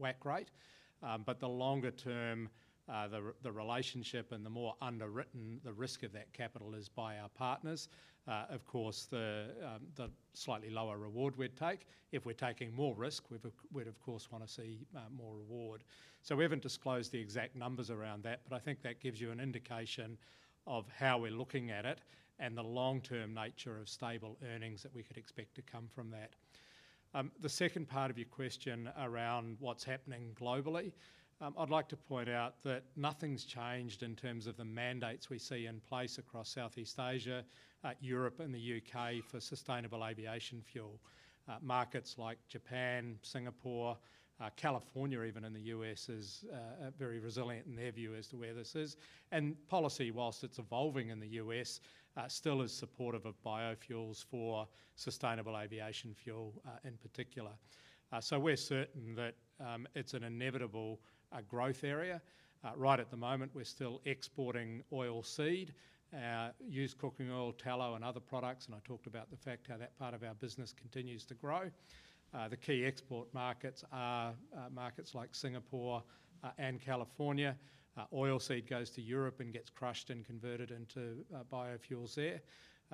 WACC rate. But the longer term, the relationship and the more underwritten the risk of that capital is by our partners, of course, the slightly lower reward we'd take. If we're taking more risk, we'd of course want to see more reward. So we haven't disclosed the exact numbers around that, but I think that gives you an indication of how we're looking at it and the long-term nature of stable earnings that we could expect to come from that. The second part of your question around what's happening globally, I'd like to point out that nothing's changed in terms of the mandates we see in place across Southeast Asia, Europe, and the U.K. for sustainable aviation fuel. Markets like Japan, Singapore, California even in the U.S. is very resilient in their view as to where this is. Policy, while it's evolving in the U.S., still is supportive of biofuels for sustainable aviation fuel in particular. So we're certain that it's an inevitable growth area. Right at the moment, we're still exporting oilseed, used cooking oil, tallow, and other products. And I talked about the fact how that part of our business continues to grow. The key export markets are markets like Singapore and California. Oilseed goes to Europe and gets crushed and converted into biofuels there.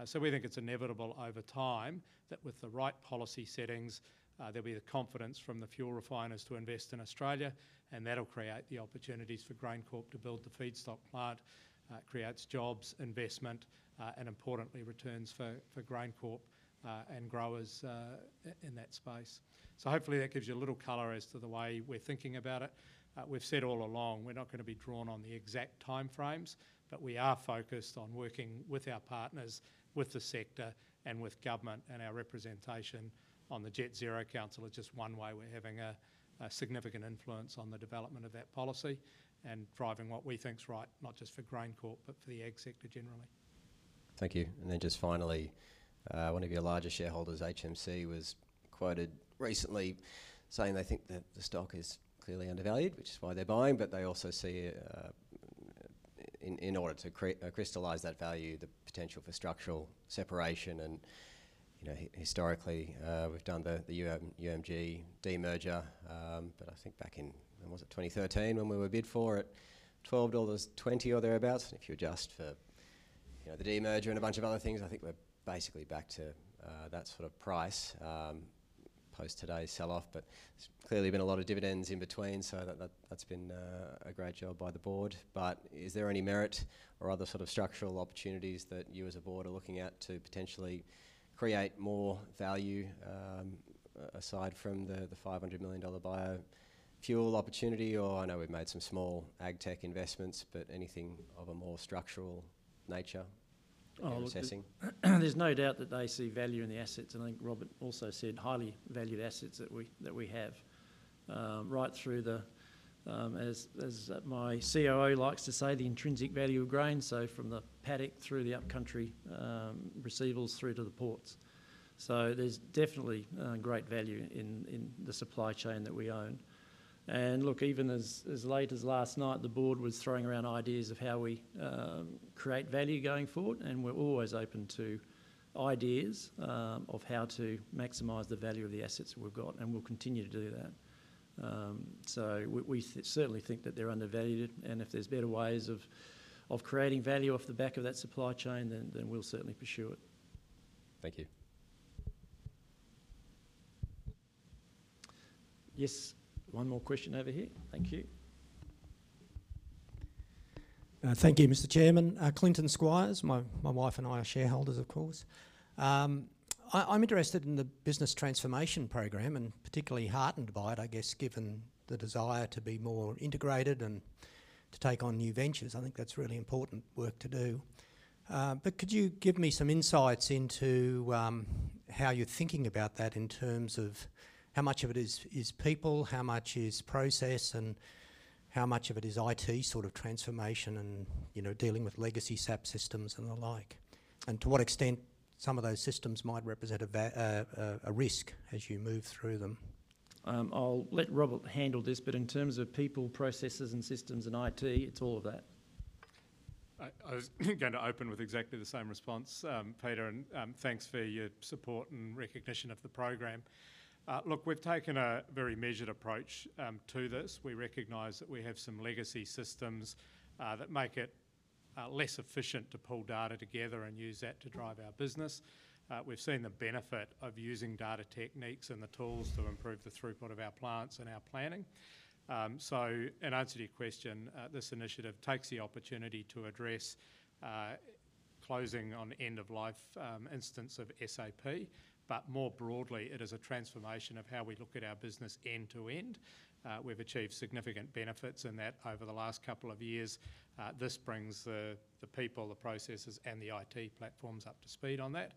So we think it's inevitable over time that with the right policy settings, there'll be the confidence from the fuel refiners to invest in Australia, and that'll create the opportunities for GrainCorp to build the feedstock plant, creates jobs, investment, and importantly, returns for GrainCorp and growers in that space. So hopefully that gives you a little color as to the way we're thinking about it. We've said all along we're not going to be drawn on the exact timeframes, but we are focused on working with our partners, with the sector, and with government and our representation on the Jet Zero Council are just one way we're having a significant influence on the development of that policy and driving what we think's right, not just for GrainCorp, but for the ag sector generally. Thank you. And then just finally, one of your larger shareholders, HMC, was quoted recently saying they think that the stock is clearly undervalued, which is why they're buying, but they also see, in order to crystallize that value, the potential for structural separation. And historically, we've done the UMG demerger, but I think back in, was it 2013 when we were bid for it, 12 dollars or 20 or thereabouts, if you adjust for the demerger and a bunch of other things. I think we're basically back to that sort of price post today's sell-off, but there's clearly been a lot of dividends in between, so that's been a great job by the board, but is there any merit or other sort of structural opportunities that you as a board are looking at to potentially create more value aside from the 500 million dollar biofuel opportunity? Or I know we've made some small ag tech investments, but anything of a more structural nature? There's no doubt that they see value in the assets, and I think Robert also said highly valued assets that we have right through the, as my COO likes to say, the intrinsic value of grain, so from the paddock through the upcountry receivables through to the ports, so there's definitely great value in the supply chain that we own. And look, even as late as last night, the board was throwing around ideas of how we create value going forward, and we're always open to ideas of how to maximize the value of the assets we've got, and we'll continue to do that. So we certainly think that they're undervalued. And if there's better ways of creating value off the back of that supply chain, then we'll certainly pursue it. Thank you. Yes, one more question over here. Thank you. Thank you, Mr. Chairman. Clinton Squires, my wife and I are shareholders, of course. I'm interested in the business transformation program and particularly heartened by it, I guess, given the desire to be more integrated and to take on new ventures. I think that's really important work to do. But could you give me some insights into how you're thinking about that in terms of how much of it is people, how much is process, and how much of it is IT sort of transformation and dealing with legacy SAP systems and the like, and to what extent some of those systems might represent a risk as you move through them? I'll let Robert handle this, but in terms of people, processes, and systems and IT, it's all of that. I was going to open with exactly the same response, Peter, and thanks for your support and recognition of the program. Look, we've taken a very measured approach to this. We recognize that we have some legacy systems that make it less efficient to pull data together and use that to drive our business. We've seen the benefit of using data techniques and the tools to improve the throughput of our plants and our planning. So in answer to your question, this initiative takes the opportunity to address closing on end-of-life instance of SAP, but more broadly, it is a transformation of how we look at our business end-to-end. We've achieved significant benefits in that over the last couple of years. This brings the people, the processes, and the IT platforms up to speed on that.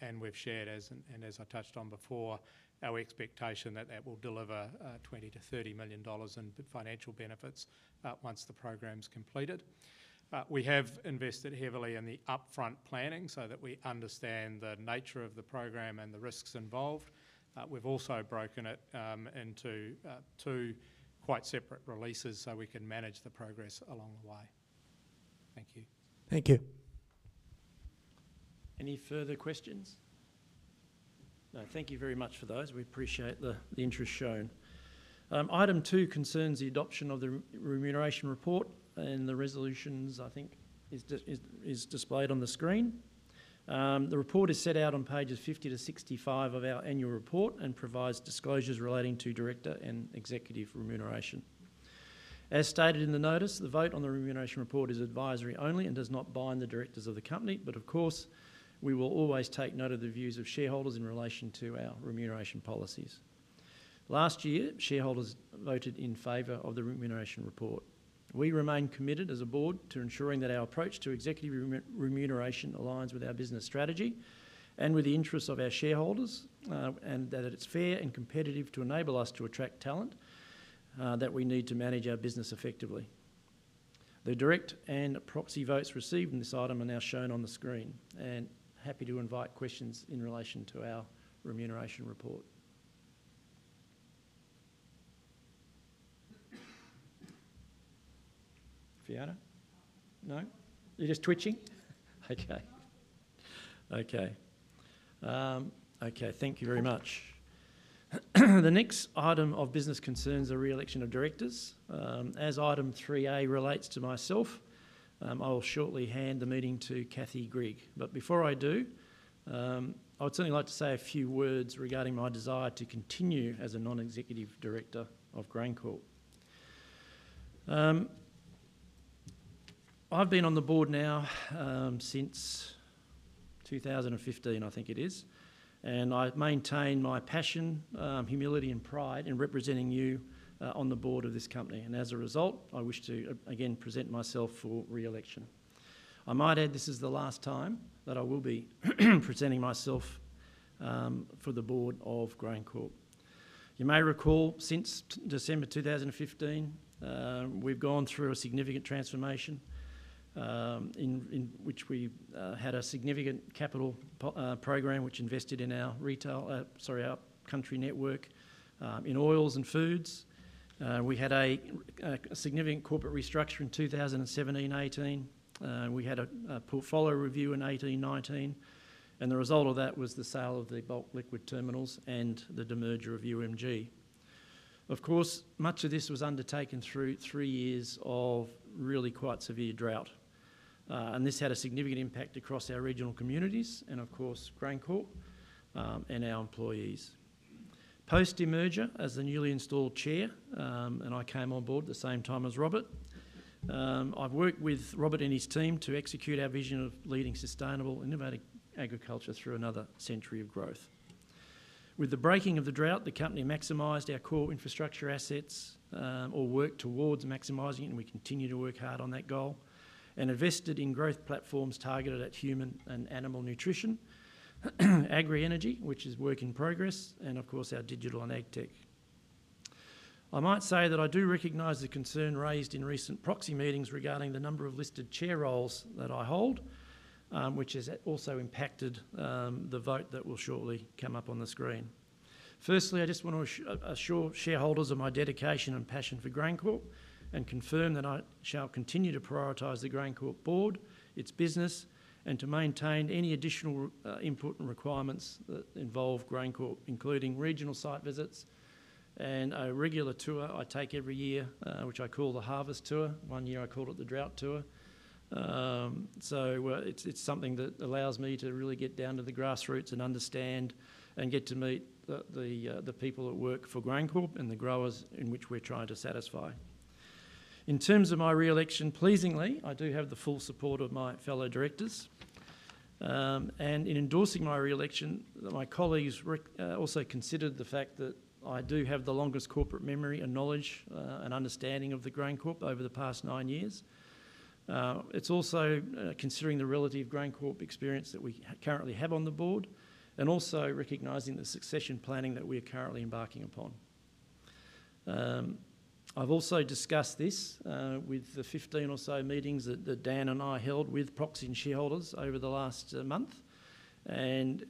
And we've shared, and as I touched on before, our expectation that that will deliver 20-30 million dollars in financial benefits once the program's completed. We have invested heavily in the upfront planning so that we understand the nature of the program and the risks involved. We've also broken it into two quite separate releases so we can manage the progress along the way. Thank you. Thank you. Any further questions? No, thank you very much for those. We appreciate the interest shown. Item two concerns the adoption of the remuneration report and the resolutions, I think, is displayed on the screen. The report is set out on pages 50-65 of our annual report and provides disclosures relating to director and executive remuneration. As stated in the notice, the vote on the remuneration report is advisory only and does not bind the directors of the company, but of course, we will always take note of the views of shareholders in relation to our remuneration policies. Last year, shareholders voted in favor of the remuneration report. We remain committed as a board to ensuring that our approach to executive remuneration aligns with our business strategy and with the interests of our shareholders and that it's fair and competitive to enable us to attract talent that we need to manage our business effectively. The direct and proxy votes received in this item are now shown on the screen, and happy to invite questions in relation to our remuneration report. Fiona? No? You're just twitching? Okay. Okay. Okay. Thank you very much. The next item of business concerns is the re-election of directors. As item 3A relates to myself, I will shortly hand the meeting to Kathy Grigg. But before I do, I would certainly like to say a few words regarding my desire to continue as a non-executive director of GrainCorp. I've been on the board now since 2015, I think it is, and I maintain my passion, humility, and pride in representing you on the board of this company. And as a result, I wish to again present myself for re-election. I might add this is the last time that I will be presenting myself for the board of GrainCorp. You may recall since December 2015, we've gone through a significant transformation in which we had a significant capital program which invested in our rail, sorry, our country network in oils and feeds. We had a significant corporate restructure in 2017-2018. We had a portfolio review in 2018-2019, and the result of that was the sale of the bulk liquid terminals and the demerger of UMG. Of course, much of this was undertaken through three years of really quite severe drought, and this had a significant impact across our regional communities and, of course, GrainCorp and our employees. Post demerger, as the newly installed chair, and I came on board at the same time as Robert, I've worked with Robert and his team to execute our vision of leading sustainable, innovative agriculture through another century of growth. With the breaking of the drought, the company maximized our core infrastructure assets or worked towards maximizing it, and we continue to work hard on that goal and invested in growth platforms targeted at human and animal nutrition, agri-energy, which is work in progress, and of course, our digital and ag tech. I might say that I do recognize the concern raised in recent proxy meetings regarding the number of listed chair roles that I hold, which has also impacted the vote that will shortly come up on the screen. Firstly, I just want to assure shareholders of my dedication and passion for GrainCorp and confirm that I shall continue to prioritize the GrainCorp board, its business, and to maintain any additional input and requirements that involve GrainCorp, including regional site visits and a regular tour I take every year, which I call the harvest tour. One year I called it the drought tour. So it's something that allows me to really get down to the grassroots and understand and get to meet the people that work for GrainCorp and the growers in which we're trying to satisfy. In terms of my re-election, pleasingly, I do have the full support of my fellow directors. And in endorsing my re-election, my colleagues also considered the fact that I do have the longest corporate memory and knowledge and understanding of the GrainCorp over the past nine years. It's also considering the relative GrainCorp experience that we currently have on the board and also recognizing the succession planning that we are currently embarking upon. I've also discussed this with the 15 or so meetings that Dan and I held with proxy and shareholders over the last month and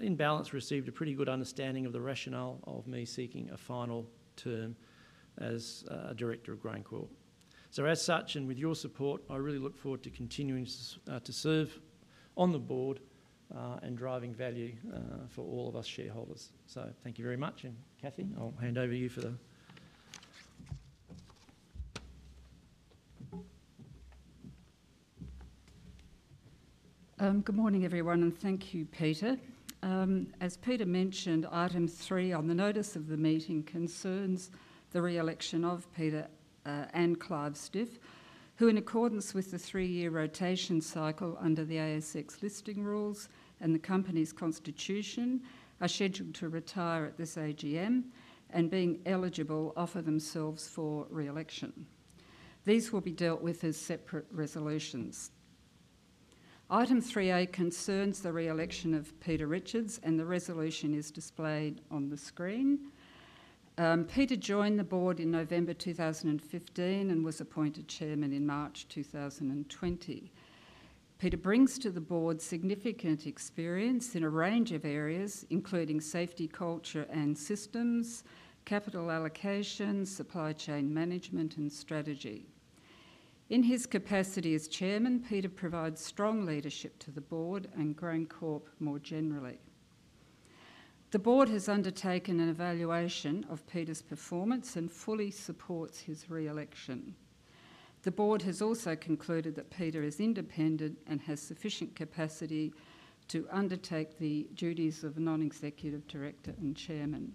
in balance received a pretty good understanding of the rationale of me seeking a final term as a director of GrainCorp. So as such, and with your support, I really look forward to continuing to serve on the board and driving value for all of us shareholders. So thank you very much. And Kathy, I'll hand over to you. Good morning, everyone, and thank you, Peter. As Peter mentioned, item three on the notice of the meeting concerns the re-election of Peter and Clive Stiff, who in accordance with the three-year rotation cycle under the ASX listing rules and the company's constitution are scheduled to retire at this AGM and, being eligible, offer themselves for re-election. These will be dealt with as separate resolutions. Item 3A concerns the re-election of Peter Richards, and the resolution is displayed on the screen. Peter joined the board in November 2015 and was appointed Chairman in March 2020. Peter brings to the board significant experience in a range of areas, including safety culture and systems, capital allocation, supply chain management, and strategy. In his capacity as Chairman, Peter provides strong leadership to the board and GrainCorp more generally. The board has undertaken an evaluation of Peter's performance and fully supports his re-election. The board has also concluded that Peter is independent and has sufficient capacity to undertake the duties of non-executive director and chairman.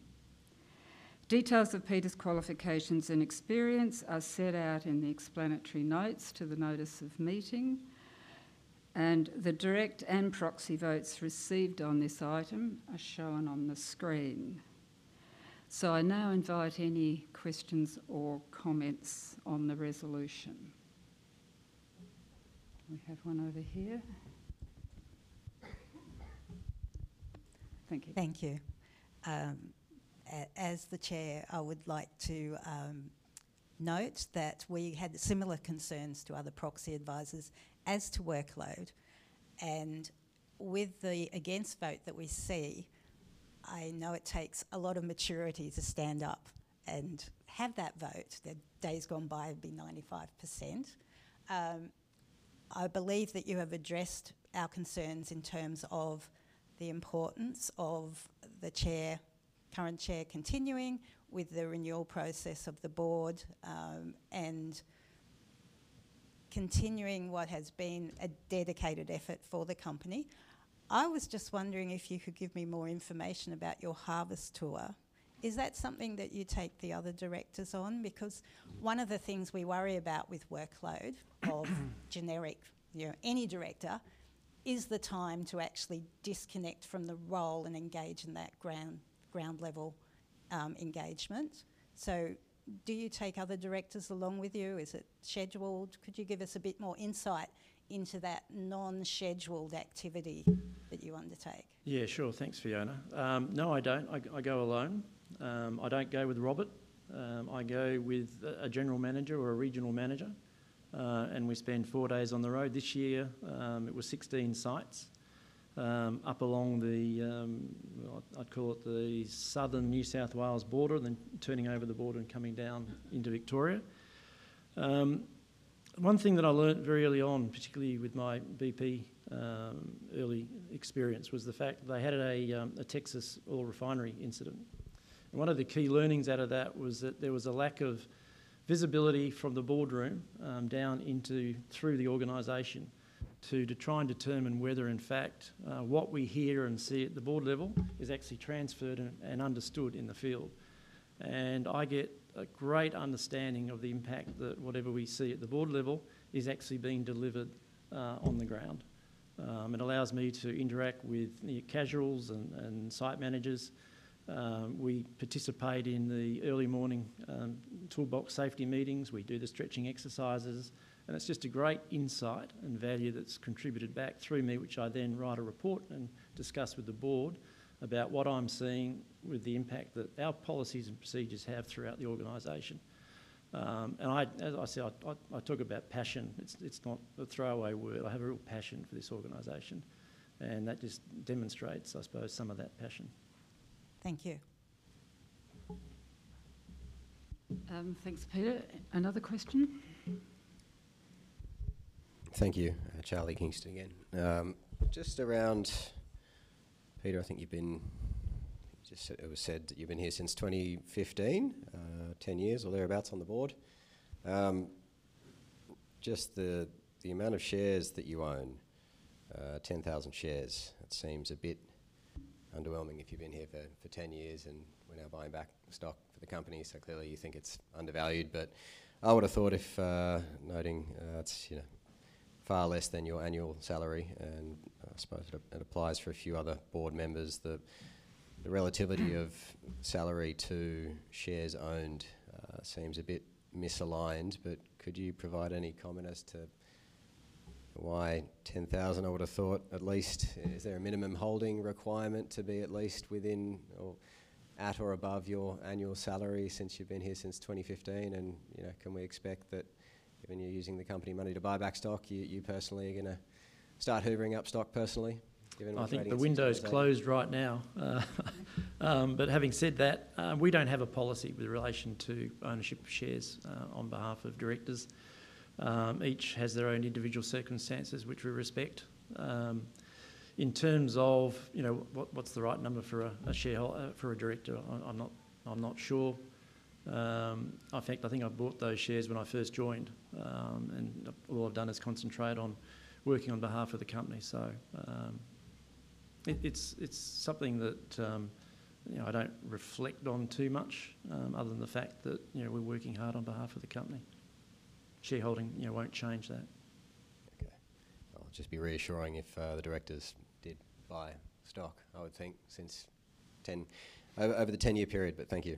Details of Peter's qualifications and experience are set out in the explanatory notes to the notice of meeting, and the direct and proxy votes received on this item are shown on the screen, so I now invite any questions or comments on the resolution. We have one over here. Thank you. Thank you. As the chair, I would like to note that we had similar concerns to other proxy advisors as to workload, and with the against vote that we see, I know it takes a lot of maturity to stand up and have that vote. The day's gone by, it'd be 95%. I believe that you have addressed our concerns in terms of the importance of the chair, current chair, continuing with the renewal process of the board and continuing what has been a dedicated effort for the company. I was just wondering if you could give me more information about your harvest tour. Is that something that you take the other directors on? Because one of the things we worry about with workload of generic, any director is the time to actually disconnect from the role and engage in that ground-level engagement. So do you take other directors along with you? Is it scheduled? Could you give us a bit more insight into that non-scheduled activity that you undertake? Yeah, sure. Thanks, Fiona. No, I don't. I go alone. I don't go with Robert. I go with a general manager or a regional manager, and we spend four days on the road. This year, it was 16 sites up along the, I'd call it the southern New South Wales border, then turning over the border and coming down into Victoria. One thing that I learned very early on, particularly with my very early experience, was the fact that they had a Texas oil refinery incident, and one of the key learnings out of that was that there was a lack of visibility from the boardroom down into through the organization to try and determine whether, in fact, what we hear and see at the board level is actually transferred and understood in the field, and I get a great understanding of the impact that whatever we see at the board level is actually being delivered on the ground. It allows me to interact with casuals and site managers. We participate in the early morning toolbox safety meetings. We do the stretching exercises, and it's just a great insight and value that's contributed back through me, which I then write a report and discuss with the board about what I'm seeing with the impact that our policies and procedures have throughout the organization. And as I said, I talk about passion. It's not a throwaway word. I have a real passion for this organization, and that just demonstrates, I suppose, some of that passion. Thank you. Thanks, Peter. Another question? Thank you. Charlie Kingston again. Just around Peter, I think you just said that you've been here since 2015, 10 years or thereabouts on the board. Just the amount of shares that you own, 10,000 shares, it seems a bit underwhelming if you've been here for 10 years and we're now buying back stock for the company. So clearly, you think it's undervalued, but I would have thought if noting it's far less than your annual salary, and I suppose it applies for a few other board members, the relativity of salary to shares owned seems a bit misaligned. But could you provide any comment as to why 10,000, I would have thought at least? Is there a minimum holding requirement to be at least within or at or above your annual salary since you've been here since 2015? And can we expect that when you're using the company money to buy back stock, you personally are going to start hoovering up stock personally? I think the window's closed right now. But having said that, we don't have a policy with relation to ownership of shares on behalf of directors. Each has their own individual circumstances, which we respect. In terms of what's the right number for a director, I'm not sure. I think I bought those shares when I first joined, and all I've done is concentrate on working on behalf of the company. So it's something that I don't reflect on too much other than the fact that we're working hard on behalf of the company. Shareholding won't change that. Okay. I'll just be reassuring if the directors did buy stock, I would think, over the 10-year period, but thank you.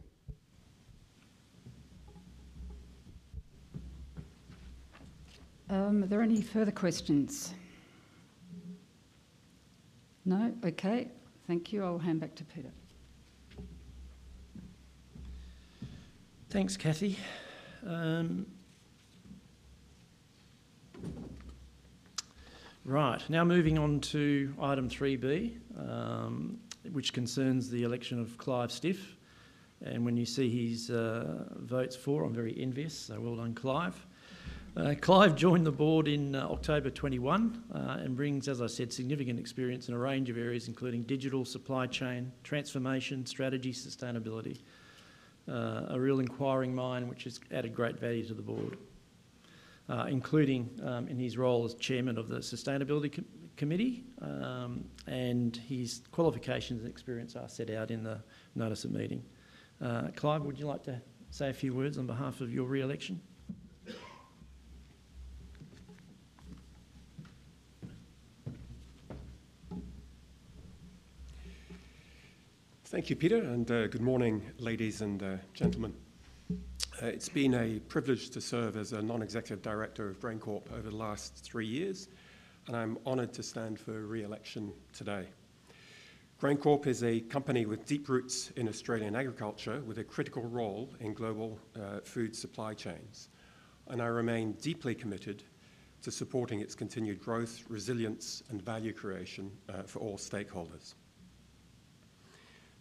Are there any further questions? No? Okay. Thank you. I'll hand back to Peter. Thanks, Kathy. Right. Now moving on to item 3B, which concerns the election of Clive Stiff. And when you see his votes for, I'm very envious. So well done, Clive. Clive joined the board in October 2021 and brings, as I said, significant experience in a range of areas, including digital supply chain, transformation, strategy, sustainability. A real inquiring mind, which has added great value to the board, including in his role as Chairman of the Sustainability Committee, and his qualifications and experience are set out in the Notice of Meeting. Clive, would you like to say a few words on behalf of your re-election? Thank you, Peter, and good morning, ladies and gentlemen. It's been a privilege to serve as a non-executive director of GrainCorp over the last three years, and I'm honored to stand for re-election today. GrainCorp is a company with deep roots in Australian agriculture with a critical role in global food supply chains, and I remain deeply committed to supporting its continued growth, resilience, and value creation for all stakeholders.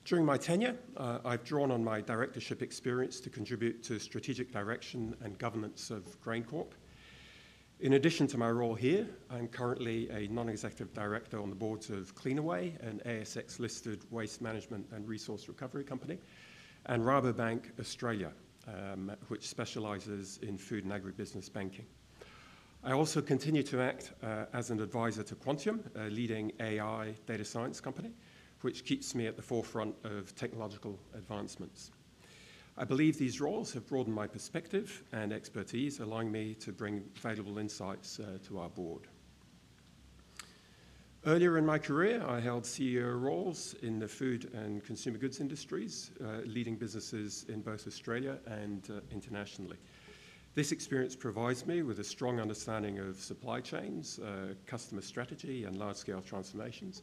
During my tenure, I've drawn on my directorship experience to contribute to strategic direction and governance of GrainCorp. In addition to my role here, I'm currently a non-executive director on the boards of Cleanaway, an ASX-listed waste management and resource recovery company, and Rabobank Australia, which specializes in food and agribusiness banking. I also continue to act as an advisor to Quantium, a leading AI data science company, which keeps me at the forefront of technological advancements. I believe these roles have broadened my perspective and expertise, allowing me to bring valuable insights to our board. Earlier in my career, I held CEO roles in the food and consumer goods industries, leading businesses in both Australia and internationally. This experience provides me with a strong understanding of supply chains, customer strategy, and large-scale transformations,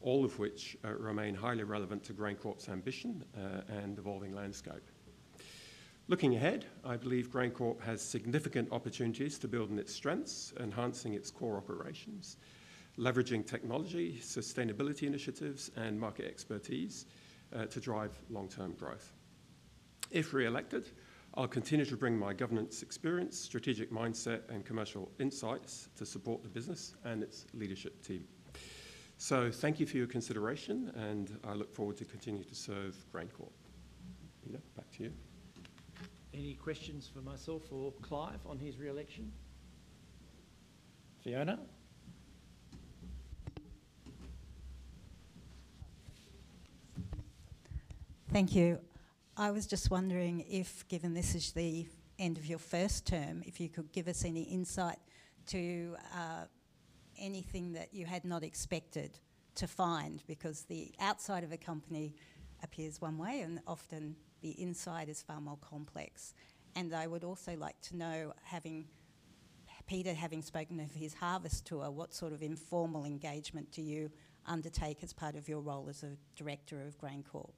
all of which remain highly relevant to GrainCorp's ambition and evolving landscape. Looking ahead, I believe GrainCorp has significant opportunities to build on its strengths, enhancing its core operations, leveraging technology, sustainability initiatives, and market expertise to drive long-term growth. If re-elected, I'll continue to bring my governance experience, strategic mindset, and commercial insights to support the business and its leadership team. So thank you for your consideration, and I look forward to continuing to serve GrainCorp. Peter, back to you. Any questions for myself or Clive on his re-election? Fiona? Thank you. I was just wondering if, given this is the end of your first term, if you could give us any insight to anything that you had not expected to find, because the outside of a company appears one way, and often the inside is far more complex. And I would also like to know, having Peter having spoken of his harvest tour, what sort of informal engagement do you undertake as part of your role as a director of GrainCorp?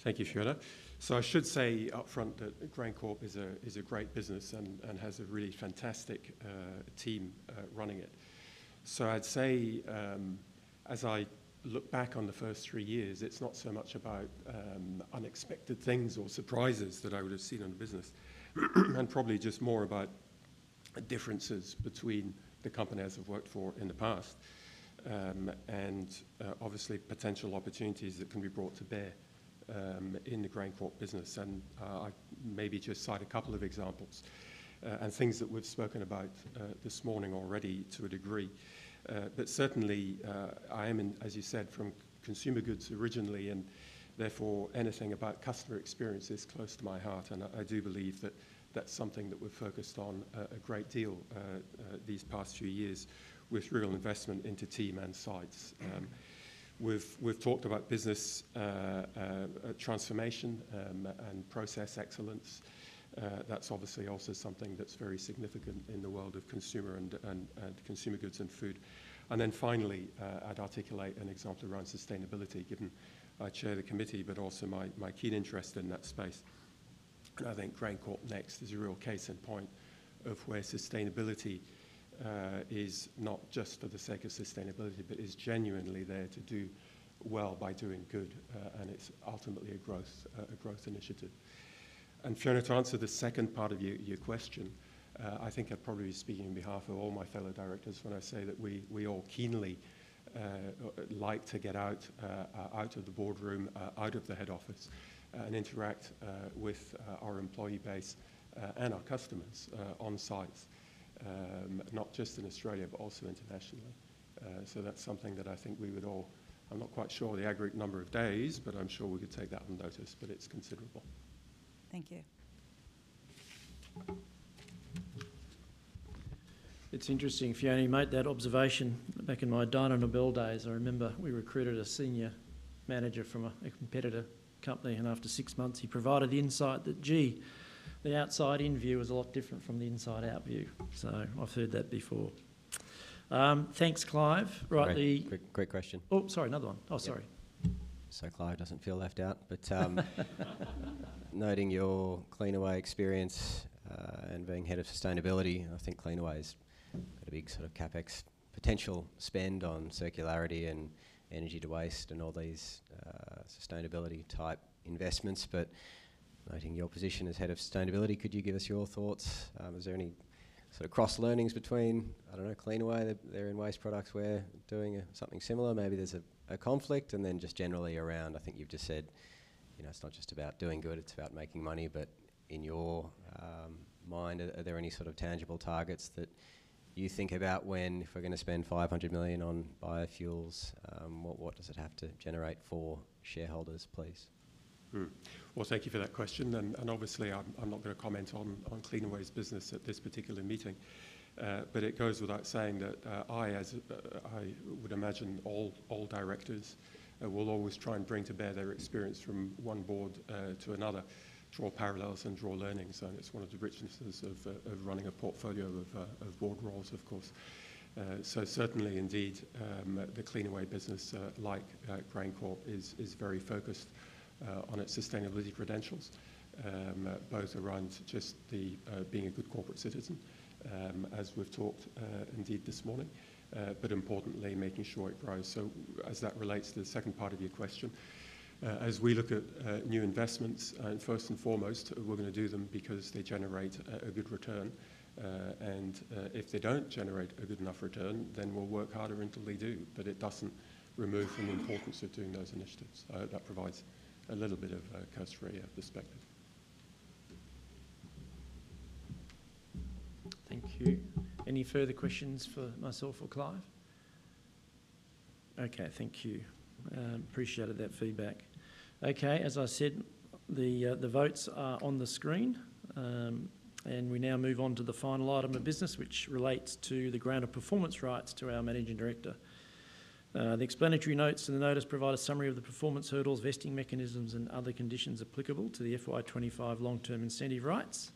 Thank you, Fiona. So I should say upfront that GrainCorp is a great business and has a really fantastic team running it. So I'd say, as I look back on the first three years, it's not so much about unexpected things or surprises that I would have seen in the business, and probably just more about differences between the company I have worked for in the past and obviously potential opportunities that can be brought to bear in the GrainCorp business. And I maybe just cite a couple of examples and things that we've spoken about this morning already to a degree. But certainly, I am, as you said, from consumer goods originally, and therefore anything about customer experience is close to my heart, and I do believe that that's something that we've focused on a great deal these past few years with real investment into team and sites. We've talked about business transformation and process excellence. That's obviously also something that's very significant in the world of consumer and consumer goods and food. Then finally, I'd articulate an example around sustainability, given I chair the committee, but also my keen interest in that space. I think GrainCorp Next is a real case in point of where sustainability is not just for the sake of sustainability, but is genuinely there to do well by doing good, and it's ultimately a growth initiative. Fiona, to answer the second part of your question, I think I'd probably be speaking on behalf of all my fellow directors when I say that we all keenly like to get out of the boardroom, out of the head office, and interact with our employee base and our customers on sites, not just in Australia, but also internationally. So that's something that I think we would all, I'm not quite sure the aggregate number of days, but I'm sure we could take that on notice, but it's considerable. Thank you. It's interesting, Fiona, you made that observation back in my Dyno Nobel days. I remember we recruited a senior manager from a competitor company, and after six months, he provided insight that, gee, the outside-in view is a lot different from the inside-out view. So I've heard that before. Thanks, Clive. Right. Great question. Oh, sorry, another one. Oh, sorry. So Clive doesn't feel left out, but noting your Cleanaway experience and being head of sustainability, I think Cleanaway's got a big sort of CapEx potential spend on circularity and energy to waste and all these sustainability-type investments. But noting your position as head of sustainability, could you give us your thoughts? Is there any sort of cross-learnings between, I don't know, Cleanaway, they're in waste products, we're doing something similar, maybe there's a conflict? And then just generally around, I think you've just said it's not just about doing good, it's about making money, but in your mind, are there any sort of tangible targets that you think about when, if we're going to spend 500 million on biofuels, what does it have to generate for shareholders, please? Well, thank you for that question. And obviously, I'm not going to comment on Cleanaway's business at this particular meeting, but it goes without saying that I, as I would imagine all directors, will always try and bring to bear their experience from one board to another, draw parallels and draw learnings. And it's one of the richnesses of running a portfolio of board roles, of course. So certainly, indeed, the Cleanaway business like GrainCorp is very focused on its sustainability credentials, both around just being a good corporate citizen, as we've talked indeed this morning, but importantly, making sure it grows. So as that relates to the second part of your question, as we look at new investments, first and foremost, we're going to do them because they generate a good return. And if they don't generate a good enough return, then we'll work harder until they do, but it doesn't remove from the importance of doing those initiatives. That provides a little bit of a cursory perspective. Thank you. Any further questions for myself or Clive? Okay. Thank you. Appreciated that feedback. Okay. As I said, the votes are on the screen, and we now move on to the final item of business, which relates to the grant of performance rights to our Managing Director. The explanatory notes in the notice provide a summary of the performance hurdles, vesting mechanisms, and other conditions applicable to the FY25 long-term incentive rights.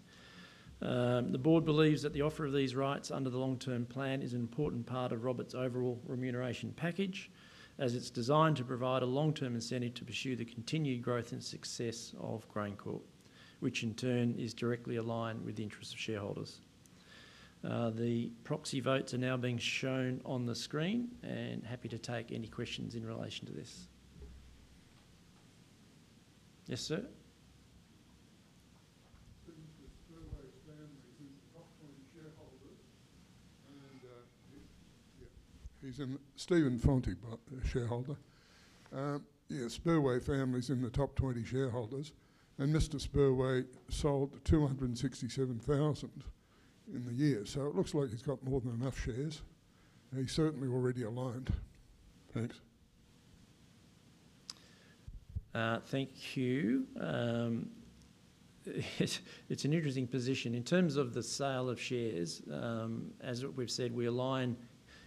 The board believes that the offer of these rights under the long-term plan is an important part of Robert's overall remuneration package, as it's designed to provide a long-term incentive to pursue the continued growth and success of GrainCorp, which in turn is directly aligned with the interests of shareholders. The proxy votes are now being shown on the screen, and happy to take any questions in relation to this. Yes, sir? Who are the Spurway family is in the top 20 shareholders? And yeah. He's a substantial shareholder. Yeah, Spurway family is in the top 20 shareholders, and Mr. Spurway sold 267,000 in the year. So it looks like he's got more than enough shares. He's certainly already aligned. Thanks. Thank you. It's an interesting position. In terms of the sale of shares, as we've said, we align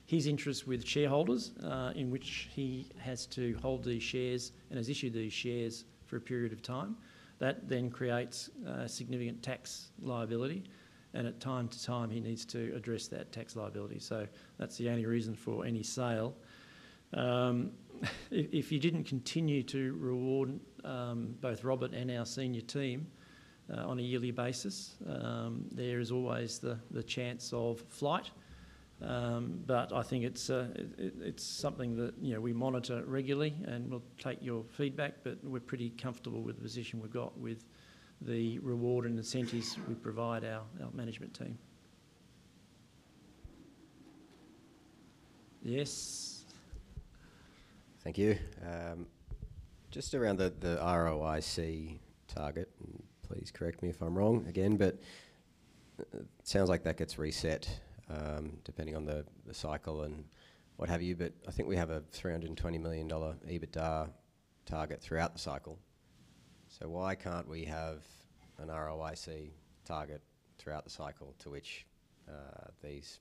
his interests with shareholders, in which he has to hold these shares and has issued these shares for a period of time. That then creates significant tax liability, and from time to time, he needs to address that tax liability. So that's the only reason for any sale. If you didn't continue to reward both Robert and our senior team on a yearly basis, there is always the chance of flight. But I think it's something that we monitor regularly, and we'll take your feedback, but we're pretty comfortable with the position we've got with the reward and incentives we provide our management team. Yes. Thank you. Just around the ROIC target, and please correct me if I'm wrong again, but it sounds like that gets reset depending on the cycle and what have you, but I think we have a $320 million EBITDA target throughout the cycle. So why can't we have an ROIC target throughout the cycle to which these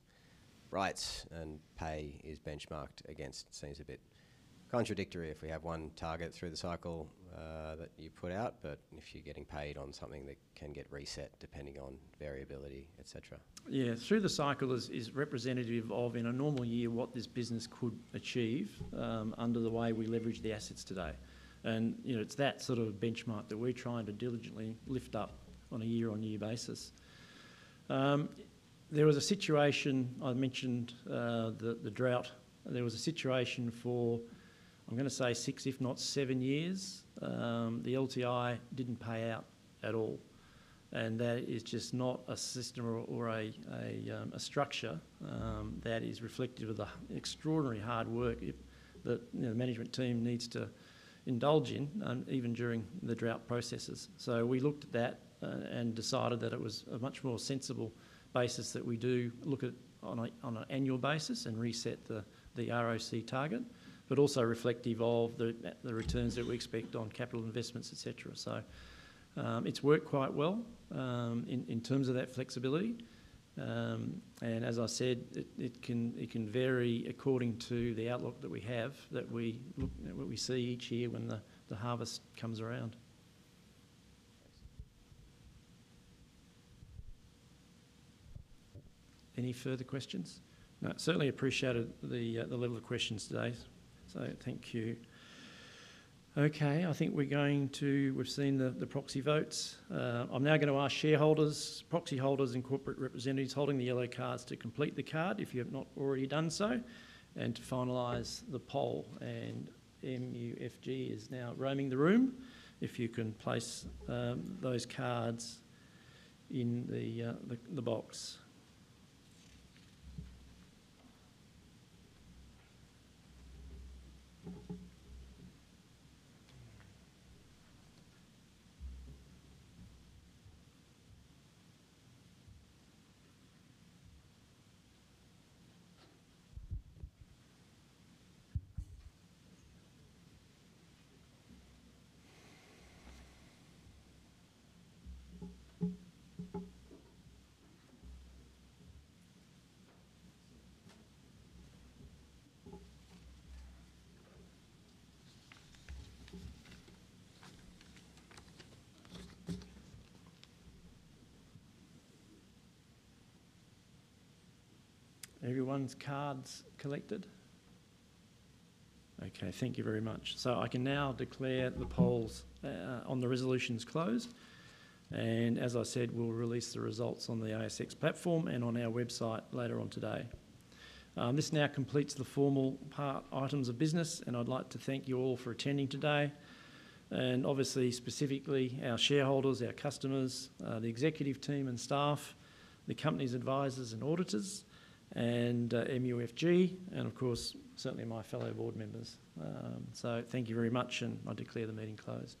rights and pay is benchmarked against? Seems a bit contradictory if we have one target through the cycle that you put out, but if you're getting paid on something that can get reset depending on variability, etc. Yeah. Through the cycle is representative of, in a normal year, what this business could achieve under the way we leverage the assets today. And it's that sort of benchmark that we're trying to diligently lift up on a year-on-year basis. There was a situation I mentioned, the drought. There was a situation for, I'm going to say, six, if not seven years, the LTI didn't pay out at all. And that is just not a system or a structure that is reflective of the extraordinary hard work that the management team needs to indulge in, even during the drought processes. So we looked at that and decided that it was a much more sensible basis that we do look at on an annual basis and reset the ROC target, but also reflect, evolve the returns that we expect on capital investments, etc. So it's worked quite well in terms of that flexibility. And as I said, it can vary according to the outlook that we have, that we see each year when the harvest comes around. Any further questions? No. Certainly appreciated the level of questions today. So thank you. Okay. I think we're going to. We've seen the proxy votes. I'm now going to ask shareholders, proxy holders, and corporate representatives holding the yellow cards to complete the card if you have not already done so, and to finalize the poll. And MUFG is now roaming the room. If you can place those cards in the box. Everyone's cards collected? Okay. Thank you very much. So I can now declare the polls on the resolutions closed. And as I said, we'll release the results on the ASX platform and on our website later on today. This now completes the formal part, items of business, and I'd like to thank you all for attending today. And obviously, specifically, our shareholders, our customers, the executive team and staff, the company's advisors and auditors, and MUFG, and of course, certainly my fellow board members. Thank you very much, and I declare the meeting closed.